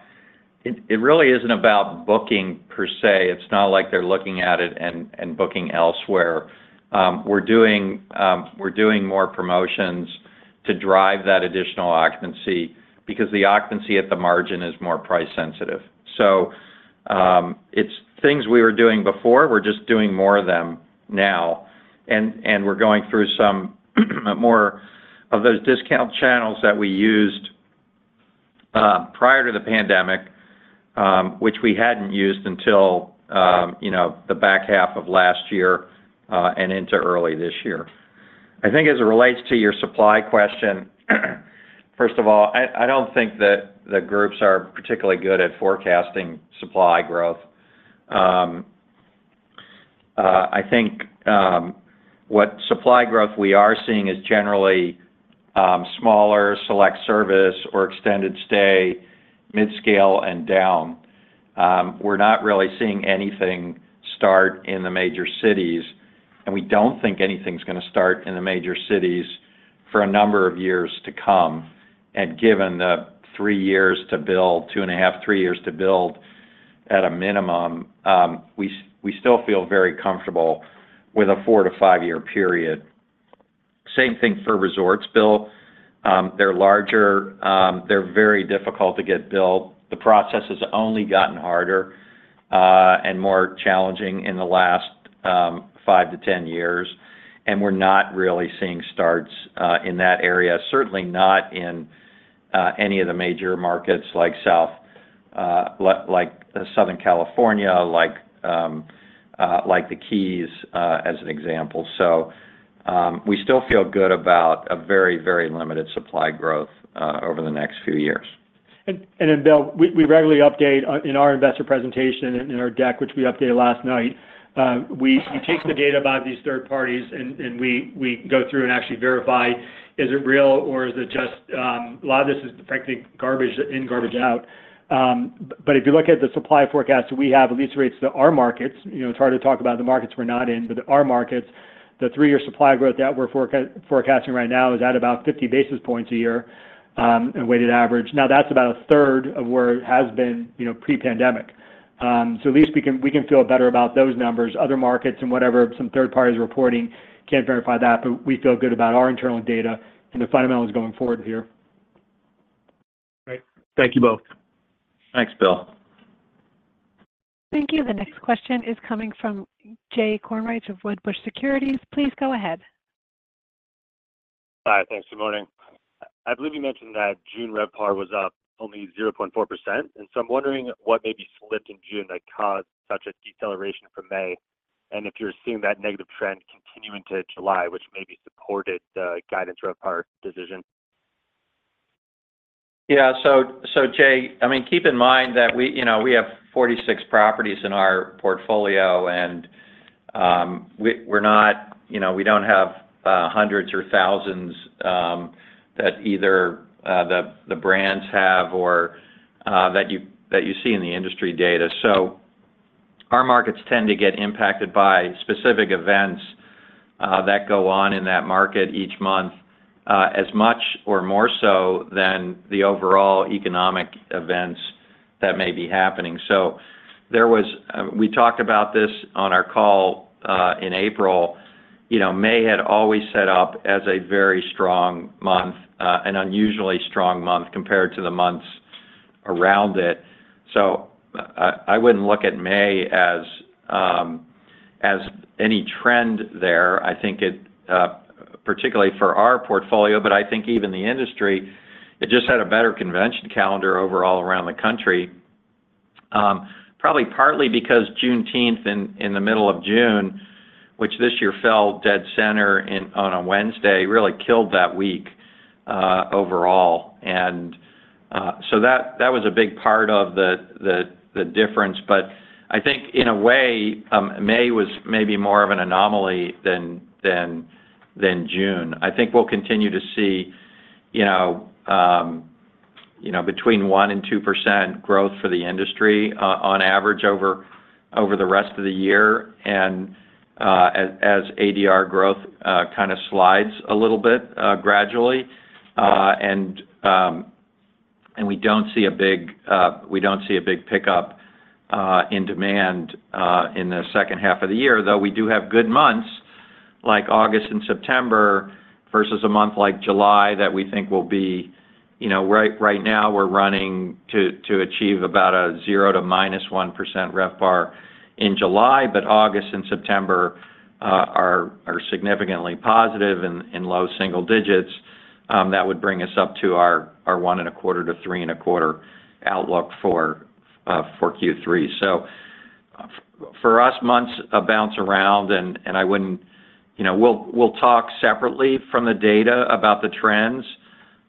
it really isn't about booking per se. It's not like they're looking at it and booking elsewhere. We're doing more promotions to drive that additional occupancy because the occupancy at the margin is more price-sensitive. So it's things we were doing before. We're just doing more of them now. And we're going through some more of those discount channels that we used prior to the pandemic, which we hadn't used until the back half of last year and into early this year. I think as it relates to your supply question, first of all, I don't think that the groups are particularly good at forecasting supply growth. I think what supply growth we are seeing is generally smaller, select service, or extended stay, mid-scale, and down. We're not really seeing anything start in the major cities. We don't think anything's going to start in the major cities for a number of years to come. Given the three years to build, 2.5 years to three years, to build at a minimum, we still feel very comfortable with a four-to-five-year period. Same thing for resorts, Bill. They're larger. They're very difficult to get built. The process has only gotten harder and more challenging in the last five-to-10 years. We're not really seeing starts in that area, certainly not in any of the major markets like South, like Southern California, like the Keys as an example. So we still feel good about a very, very limited supply growth over the next few years. And then, Bill, we regularly update in our investor presentation and in our deck, which we updated last night. We take the data about these third parties, and we go through and actually verify, is it real or is it just a lot of this is, frankly, garbage in, garbage out. But if you look at the supply forecast that we have, at least relative to our markets, it's hard to talk about the markets we're not in, but our markets, the three-year supply growth that we're forecasting right now is at about 50 basis points a year in weighted average. Now, that's about a third of where it has been pre-pandemic. So at least we can feel better about those numbers. Other markets and whatever, some third parties reporting, can't verify that, but we feel good about our internal data and the fundamentals going forward here. Great. Thank you both. Thanks, Bill. Thank you. The next question is coming from Jay Kornreich of Wedbush Securities. Please go ahead. Hi. Thanks. Good morning. I believe you mentioned that June RevPAR was up only 0.4%. And so I'm wondering what may be slipped in June that caused such a deceleration for May and if you're seeing that negative trend continuing to July, which maybe supported the guidance RevPAR decision. Yeah. So Jay, I mean, keep in mind that we have 46 properties in our portfolio, and we're not—we don't have hundreds or thousands that either the brands have or that you see in the industry data. So our markets tend to get impacted by specific events that go on in that market each month as much or more so than the overall economic events that may be happening. We talked about this on our call in April. May had always set up as a very strong month, an unusually strong month compared to the months around it. I wouldn't look at May as any trend there. I think it, particularly for our portfolio, but I think even the industry, it just had a better convention calendar overall around the country, probably partly because Juneteenth in the middle of June, which this year fell dead center on a Wednesday, really killed that week overall. And so that was a big part of the difference. But I think in a way, May was maybe more of an anomaly than June. I think we'll continue to see between 1%-2% growth for the industry on average over the rest of the year. And as ADR growth kind of slides a little bit gradually, and we don't see a big- we don't see a big pickup in demand in the second half of the year, though we do have good months like August and September versus a month like July that we think will be- right now, we're running to achieve about a 0% to -1% RevPAR in July, but August and September are significantly positive in low single digits. That would bring us up to our 1.25%-3.25% outlook for Q3. So for us, months bounce around, and we'll talk separately from the data about the trends,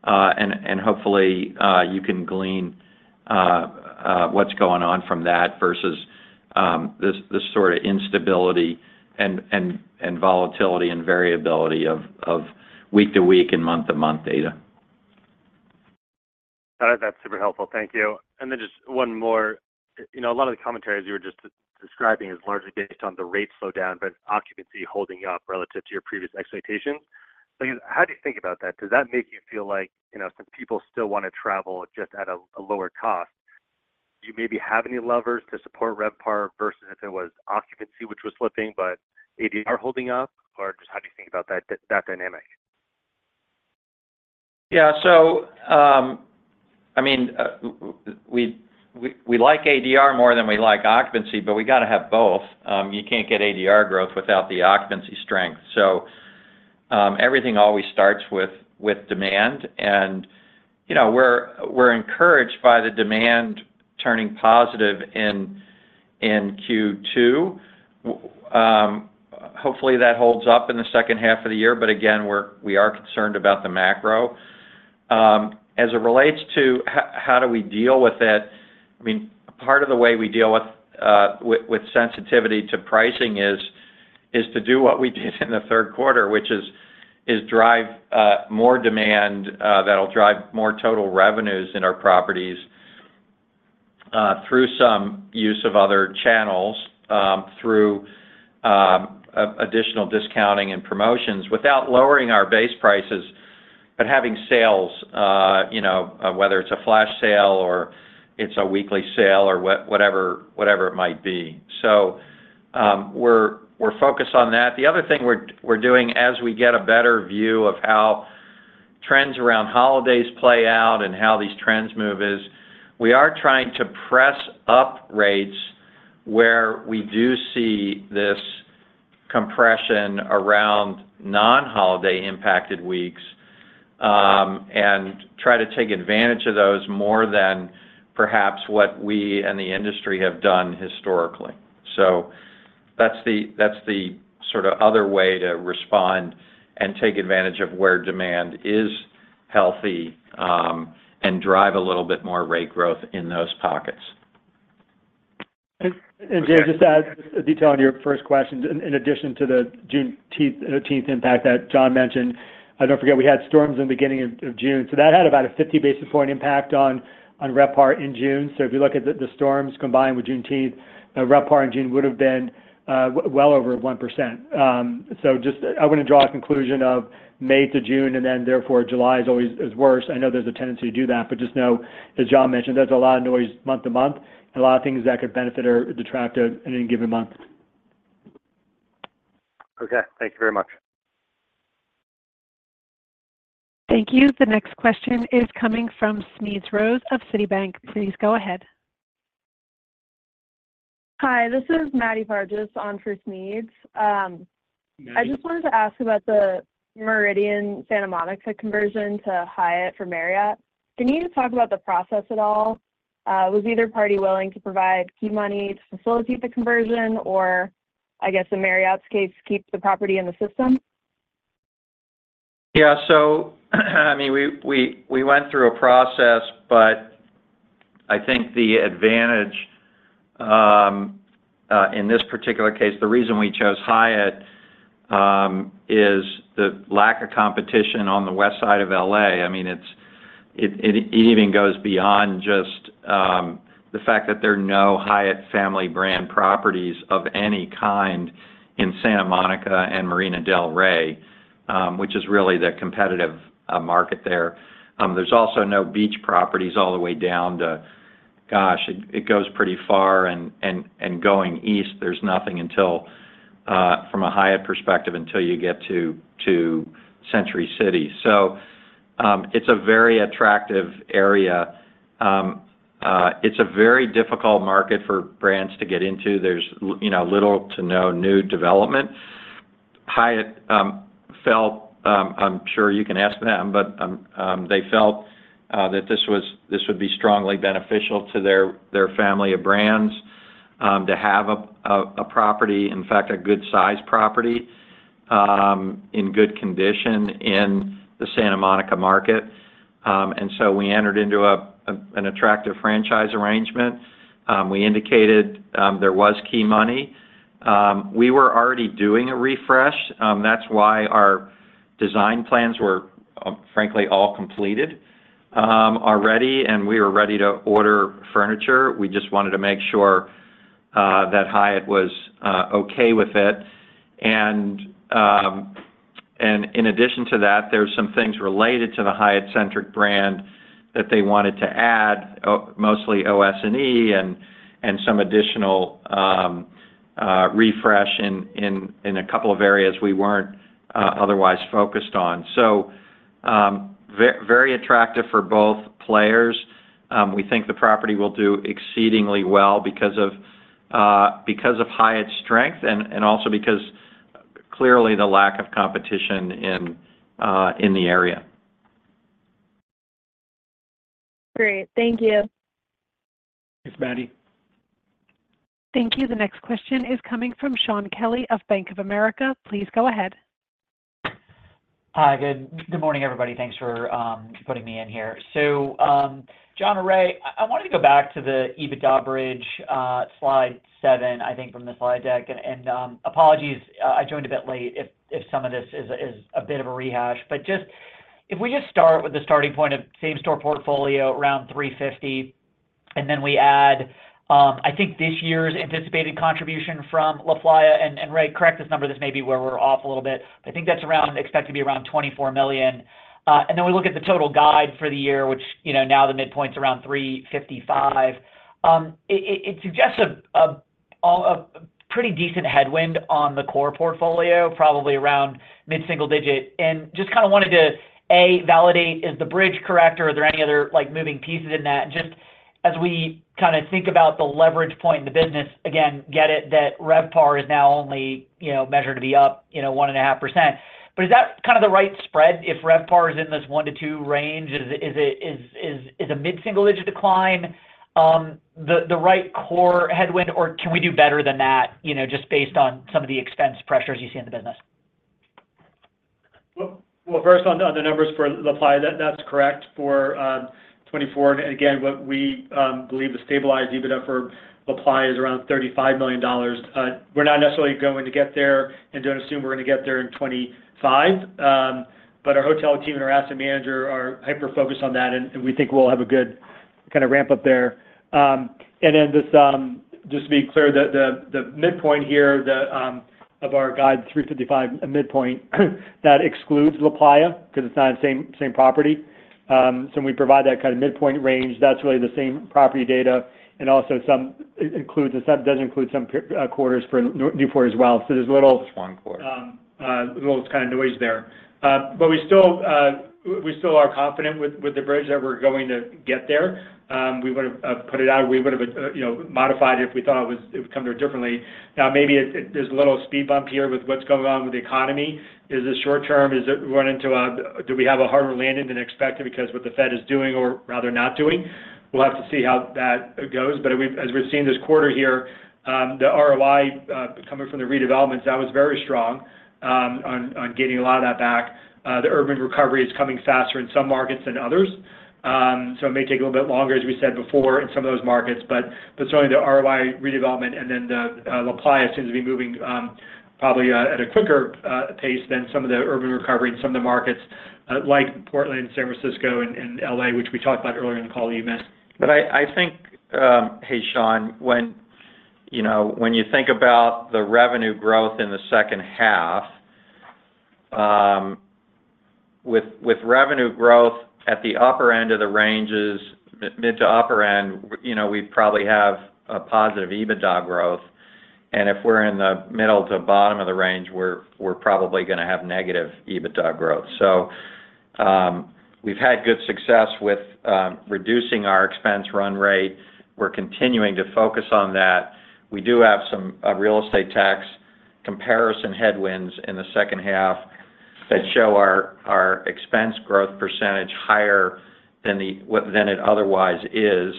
and hopefully, you can glean what's going on from that versus the sort of instability and volatility and variability of week-to-week and month-to-month data. That's super helpful. Thank you. And then just one more. A lot of the commentaries you were just describing is largely based on the rate slowdown, but occupancy holding up relative to your previous expectations. How do you think about that? Does that make you feel like some people still want to travel just at a lower cost? Do you maybe have any levers to support RevPAR versus if it was occupancy, which was slipping, but ADR holding up? Or just how do you think about that dynamic? Yeah. So I mean, we like ADR more than we like occupancy, but we got to have both. You can't get ADR growth without the occupancy strength. So everything always starts with demand. And we're encouraged by the demand turning positive in Q2. Hopefully, that holds up in the second half of the year. But again, we are concerned about the macro. As it relates to how do we deal with it, I mean, part of the way we deal with sensitivity to pricing is to do what we did in the Q3, which is drive more demand that'll drive more total revenues in our properties through some use of other channels, through additional discounting and promotions without lowering our base prices, but having sales, whether it's a flash sale or it's a weekly sale or whatever it might be. So we're focused on that. The other thing we're doing as we get a better view of how trends around holidays play out and how these trends move is we are trying to press up rates where we do see this compression around non-holiday impacted weeks and try to take advantage of those more than perhaps what we and the industry have done historically. So that's the sort of other way to respond and take advantage of where demand is healthy and drive a little bit more rate growth in those pockets. And Jay, just to add a detail on your first question, in addition to the Juneteenth impact that John mentioned, don't forget we had storms in the beginning of June. So that had about a 50 basis points impact on RevPAR in June. So if you look at the storms combined with Juneteenth, RevPAR in June would have been well over 1%. So just I want to draw a conclusion of May to June, and then therefore July is worse. I know there's a tendency to do that, but just know, as Jon mentioned, there's a lot of noise month to month, and a lot of things that could benefit or detract in any given month. Okay. Thank you very much. Thank you. The next question is coming from Smedes Rose of Citi. Please go ahead. Hi. This is Maddy Fargis on for Smedes. I just wanted to ask about the Le Méridien Santa Monica conversion to Hyatt for Marriott. Can you talk about the process at all? Was either party willing to provide key money to facilitate the conversion or, I guess, in Marriott's case, keep the property in the system? Yeah. So I mean, we went through a process, but I think the advantage in this particular case, the reason we chose Hyatt is the lack of competition on the west side of L.A. I mean, it even goes beyond just the fact that there are no Hyatt family brand properties of any kind in Santa Monica and Marina del Rey, which is really the competitive market there. There's also no beach properties all the way down to, gosh, it goes pretty far. And going east, there's nothing from a Hyatt perspective until you get to Century City. So it's a very attractive area. It's a very difficult market for brands to get into. There's little to no new development. Hyatt felt, I'm sure you can ask them, but they felt that this would be strongly beneficial to their family of brands to have a property, in fact, a good-sized property in good condition in the Santa Monica market. And so we entered into an attractive franchise arrangement. We indicated there was key money. We were already doing a refresh. That's why our design plans were, frankly, all completed already, and we were ready to order furniture. We just wanted to make sure that Hyatt was okay with it. And in addition to that, there are some things related to the Hyatt Centric brand that they wanted to add, mostly OS&E and some additional refresh in a couple of areas we weren't otherwise focused on. So very attractive for both players. We think the property will do exceedingly well because of Hyatt's strength and also because, clearly, the lack of competition in the area. Great. Thank you. Thanks, Maddie. Thank you. The next question is coming from Shaun Kelley of Bank of America. Please go ahead. Hi. Good morning, everybody. Thanks for putting me in here. So Jon Bortz, I wanted to go back to the EBITDA bridge, slide 7, I think, from the slide deck. Apologies, I joined a bit late if some of this is a bit of a rehash. If we just start with the starting point of same-store portfolio around $350 million, and then we add, I think, this year's anticipated contribution from LaPlaya and Ray. Correct this number. This may be where we're off a little bit. I think that's around expected to be around $24 million. Then we look at the total guide for the year, which now the midpoint's around $355 million. It suggests a pretty decent headwind on the core portfolio, probably around mid-single digit. And just kind of wanted to, A, validate, is the bridge correct, or are there any other moving pieces in that? And just as we kind of think about the leverage point in the business, again, get it that RevPAR is now only measured to be up 1.5%. But is that kind of the right spread if RevPAR is in this 1%-2% range? Is a mid-single digit decline the right core headwind, or can we do better than that just based on some of the expense pressures you see in the business? Well, first, on the numbers for LaPlaya, that's correct for 2024. And again, what we believe the stabilized EBITDA for LaPlaya is around $35 million. We're not necessarily going to get there and don't assume we're going to get there in 2025. But our hotel team and our asset manager are hyper-focused on that, and we think we'll have a good kind of ramp up there. And then just to be clear, the midpoint here of our guide 355 midpoint, that excludes LaPlaya because it's not the same-property. So when we provide that kind of midpoint range, that's really the same-property data. And also some includes and does include some quarters for Newport as well. So there's a little. Just one quarter. A little kind of noise there. But we still are confident with the bridge that we're going to get there. We would have put it out. We would have modified it if we thought it would come through differently. Now, maybe there's a little speed bump here with what's going on with the economy. Is this short-term? Is it running to a, do we have a harder landing than expected because what the Fed is doing or rather not doing? We'll have to see how that goes. But as we've seen this quarter here, the ROI coming from the redevelopments, that was very strong on getting a lot of that back. The urban recovery is coming faster in some markets than others. So it may take a little bit longer, as we said before, in some of those markets. But certainly, the ROI redevelopment and then the LaPlaya seems to be moving probably at a quicker pace than some of the urban recovery in some of the markets like Portland, San Francisco, and LA, which we talked about earlier in the call that you missed. But I think, hey, Sean, when you think about the revenue growth in the second half, with revenue growth at the upper end of the ranges, mid to upper end, we probably have a positive EBITDA growth. And if we're in the middle to bottom of the range, we're probably going to have negative EBITDA growth. So we've had good success with reducing our expense run rate. We're continuing to focus on that. We do have some real estate tax comparison headwinds in the second half that show our expense growth percentage higher than it otherwise is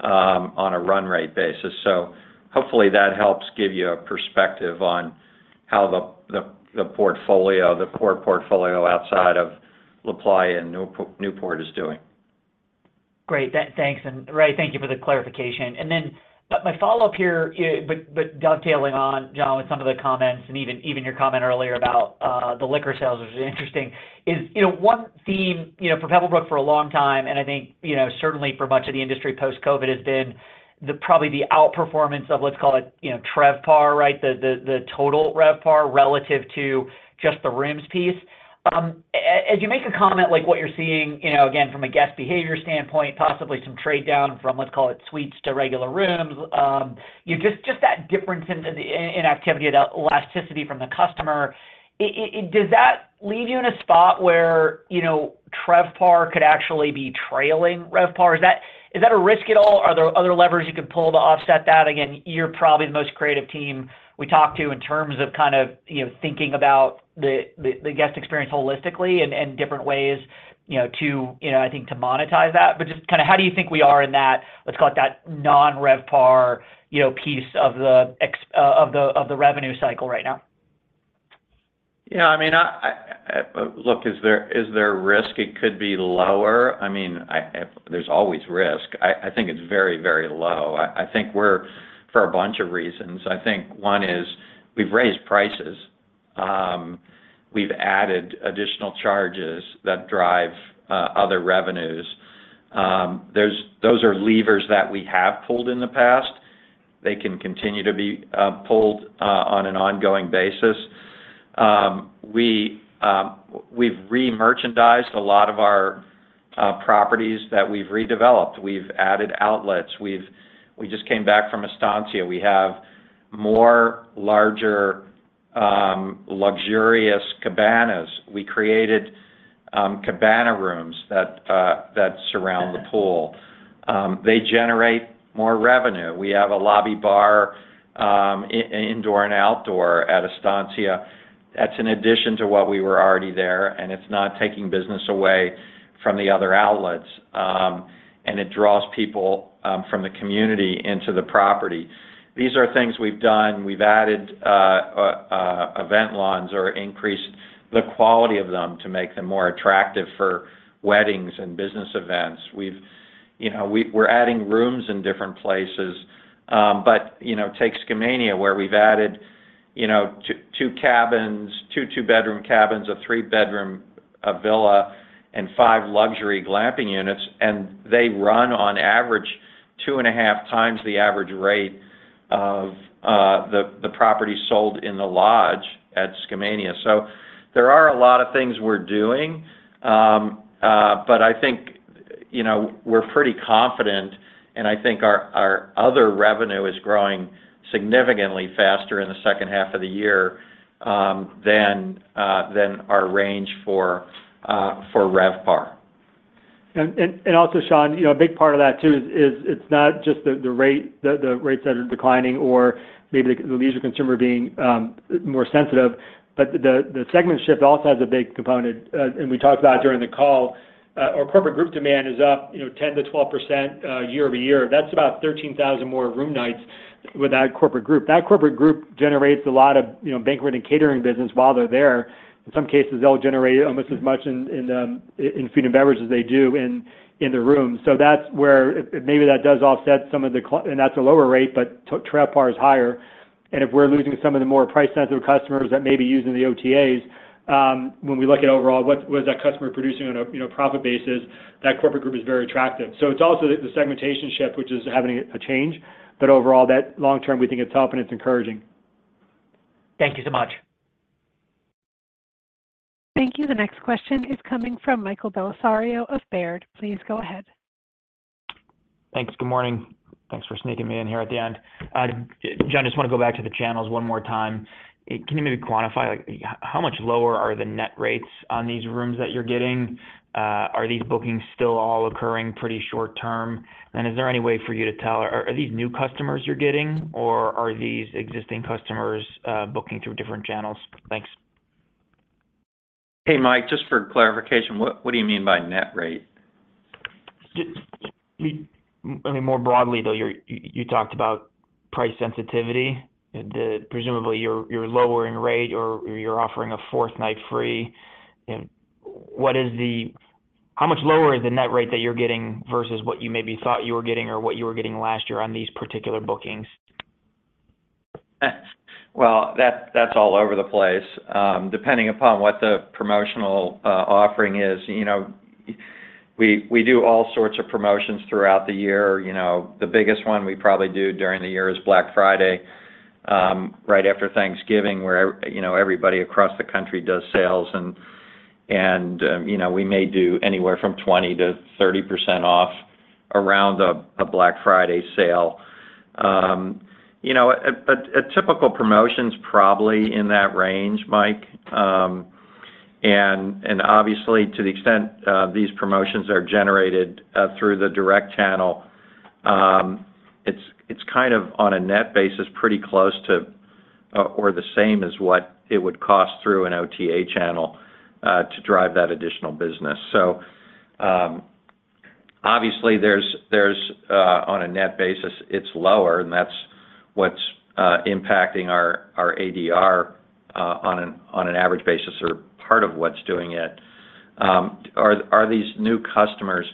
on a run rate basis. So hopefully, that helps give you a perspective on how the portfolio, the core portfolio outside of LaPlaya and Newport, is doing. Great. Thanks. And Ray, thank you for the clarification. Then my follow-up here, but dovetailing on, Jon, with some of the comments and even your comment earlier about the liquor sales, which is interesting, is one theme for Pebblebrook for a long time, and I think certainly for much of the industry post-COVID, has been probably the outperformance of, let's call it, TrevPAR, right, the total RevPAR relative to just the rooms piece. As you make a comment like what you're seeing, again, from a guest behavior standpoint, possibly some trade-down from, let's call it, suites to regular rooms, just that difference in activity, that elasticity from the customer, does that leave you in a spot where TrevPAR could actually be trailing RevPAR? Is that a risk at all? Are there other levers you can pull to offset that? Again, you're probably the most creative team we talk to in terms of kind of thinking about the guest experience holistically and different ways, I think, to monetize that. But just kind of how do you think we are in that, let's call it, that non-RevPAR piece of the revenue cycle right now? Yeah. I mean, look, is there risk? It could be lower. I mean, there's always risk. I think it's very low. I think we're for a bunch of reasons. I think one is we've raised prices. We've added additional charges that drive other revenues. Those are levers that we have pulled in the past. They can continue to be pulled on an ongoing basis. We've re-merchandised a lot of our properties that we've redeveloped. We've added outlets. We just came back from Estancia. We have more larger luxurious cabanas. We created cabana rooms that surround the pool. They generate more revenue. We have a lobby bar, indoor and outdoor, at Estancia. That's in addition to what we were already there, and it's not taking business away from the other outlets. And it draws people from the community into the property. These are things we've done. We've added event lawns or increased the quality of them to make them more attractive for weddings and business events. We're adding rooms in different places. But take Skamania, where we've added 2 cabins, 2 two-bedroom cabins, a 3-bedroom villa, and 5 luxury glamping units. And they run, on average, 2.5x the average rate of the property sold in the lodge at Skamania. So there are a lot of things we're doing. But I think we're pretty confident, and I think our other revenue is growing significantly faster in the second half of the year than our range for RevPAR. And also, Sean, a big part of that, too, is it's not just the rates that are declining or maybe the leisure consumer being more sensitive, but the segment shift also has a big component. And we talked about during the call, our corporate group demand is up 10%-12% year-over-year. That's about 13,000 more room nights with that corporate group. That corporate group generates a lot of banquet and catering business while they're there. In some cases, they'll generate almost as much in food and beverage as they do in the room. So that's where maybe that does offset some of the—and that's a lower rate, but TrevPAR is higher. If we're losing some of the more price-sensitive customers that may be using the OTAs, when we look at overall, what is that customer producing on a profit basis, that corporate group is very attractive. So it's also the segmentation shift, which is having a change. But overall, long-term, we think it's helping. It's encouraging. Thank you so much. Thank you. The next question is coming from Michael Bellisario of Baird. Please go ahead. Thanks. Good morning. Thanks for sneaking me in here at the end. Jon, I just want to go back to the channels one more time. Can you maybe quantify how much lower are the net rates on these rooms that you're getting? Are these bookings still all occurring pretty short-term? And is there any way for you to tell? Are these new customers you're getting, or are these existing customers booking through different channels? Thanks. Hey, Mike, just for clarification, what do you mean by net rate? I mean, more broadly, though, you talked about price sensitivity. Presumably, you're lowering rate or you're offering a fourth night free. What is the—how much lower is the net rate that you're getting versus what you maybe thought you were getting or what you were getting last year on these particular bookings? Well, that's all over the place. Depending upon what the promotional offering is, we do all sorts of promotions throughout the year. The biggest one we probably do during the year is Black Friday, right after Thanksgiving, where everybody across the country does sales. We may do anywhere from 20%-30% off around a Black Friday sale. A typical promotion's probably in that range, Mike. And obviously, to the extent these promotions are generated through the direct channel, it's kind of on a net basis pretty close to or the same as what it would cost through an OTA channel to drive that additional business. So obviously, on a net basis, it's lower, and that's what's impacting our ADR on an average basis or part of what's doing it. Are these new customers?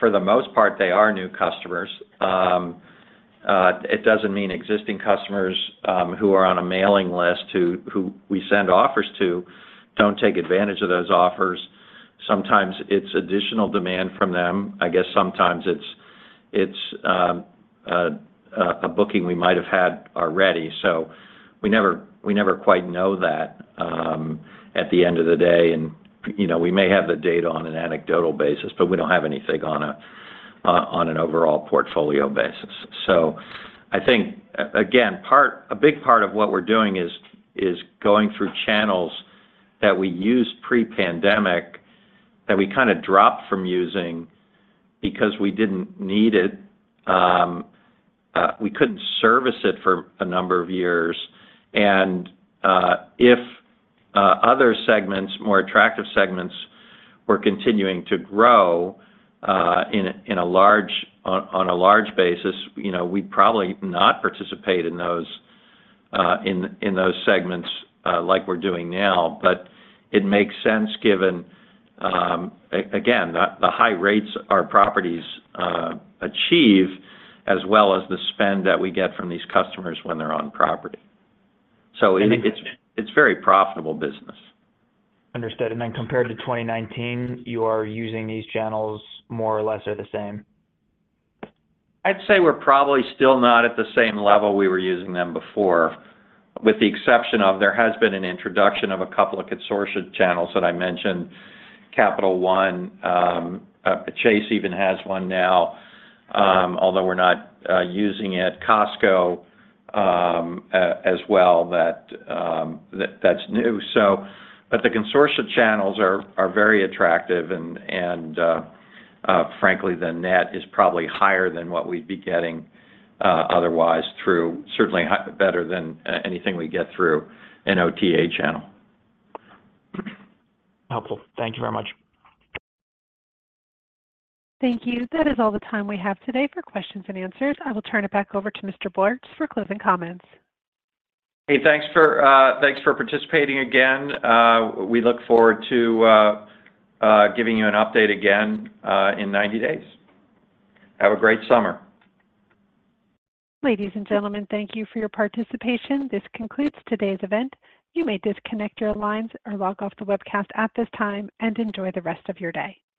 For the most part, they are new customers. It doesn't mean existing customers who are on a mailing list who we send offers to don't take advantage of those offers. Sometimes it's additional demand from them. I guess sometimes it's a booking we might have had already. So we never quite know that at the end of the day. And we may have the data on an anecdotal basis, but we don't have anything on an overall portfolio basis. So I think, again, a big part of what we're doing is going through channels that we used pre-pandemic that we kind of dropped from using because we didn't need it. We couldn't service it for a number of years. And if other segments, more attractive segments, were continuing to grow on a large basis, we'd probably not participate in those segments like we're doing now. But it makes sense given, again, the high rates our properties achieve as well as the spend that we get from these customers when they're on property. So it's very profitable business. Understood. And then compared to 2019, you are using these channels more or less or the same? I'd say we're probably still not at the same level we were using them before, with the exception of there has been an introduction of a couple of consortia channels that I mentioned. Capital One, Chase even has one now, although we're not using it. Costco as well, that's new. But the consortia channels are very attractive. And frankly, the net is probably higher than what we'd be getting otherwise through, certainly better than anything we get through an OTA channel. Helpful. Thank you very much. Thank you. That is all the time we have today for questions and answers. I will turn it back over to Mr. Bortz for closing comments. Hey, thanks for participating again. We look forward to giving you an update again in 90 days. Have a great summer. Ladies and gentlemen, thank you for your participation. This concludes today's event. You may disconnect your lines or log off the webcast at this time and enjoy the rest of your day.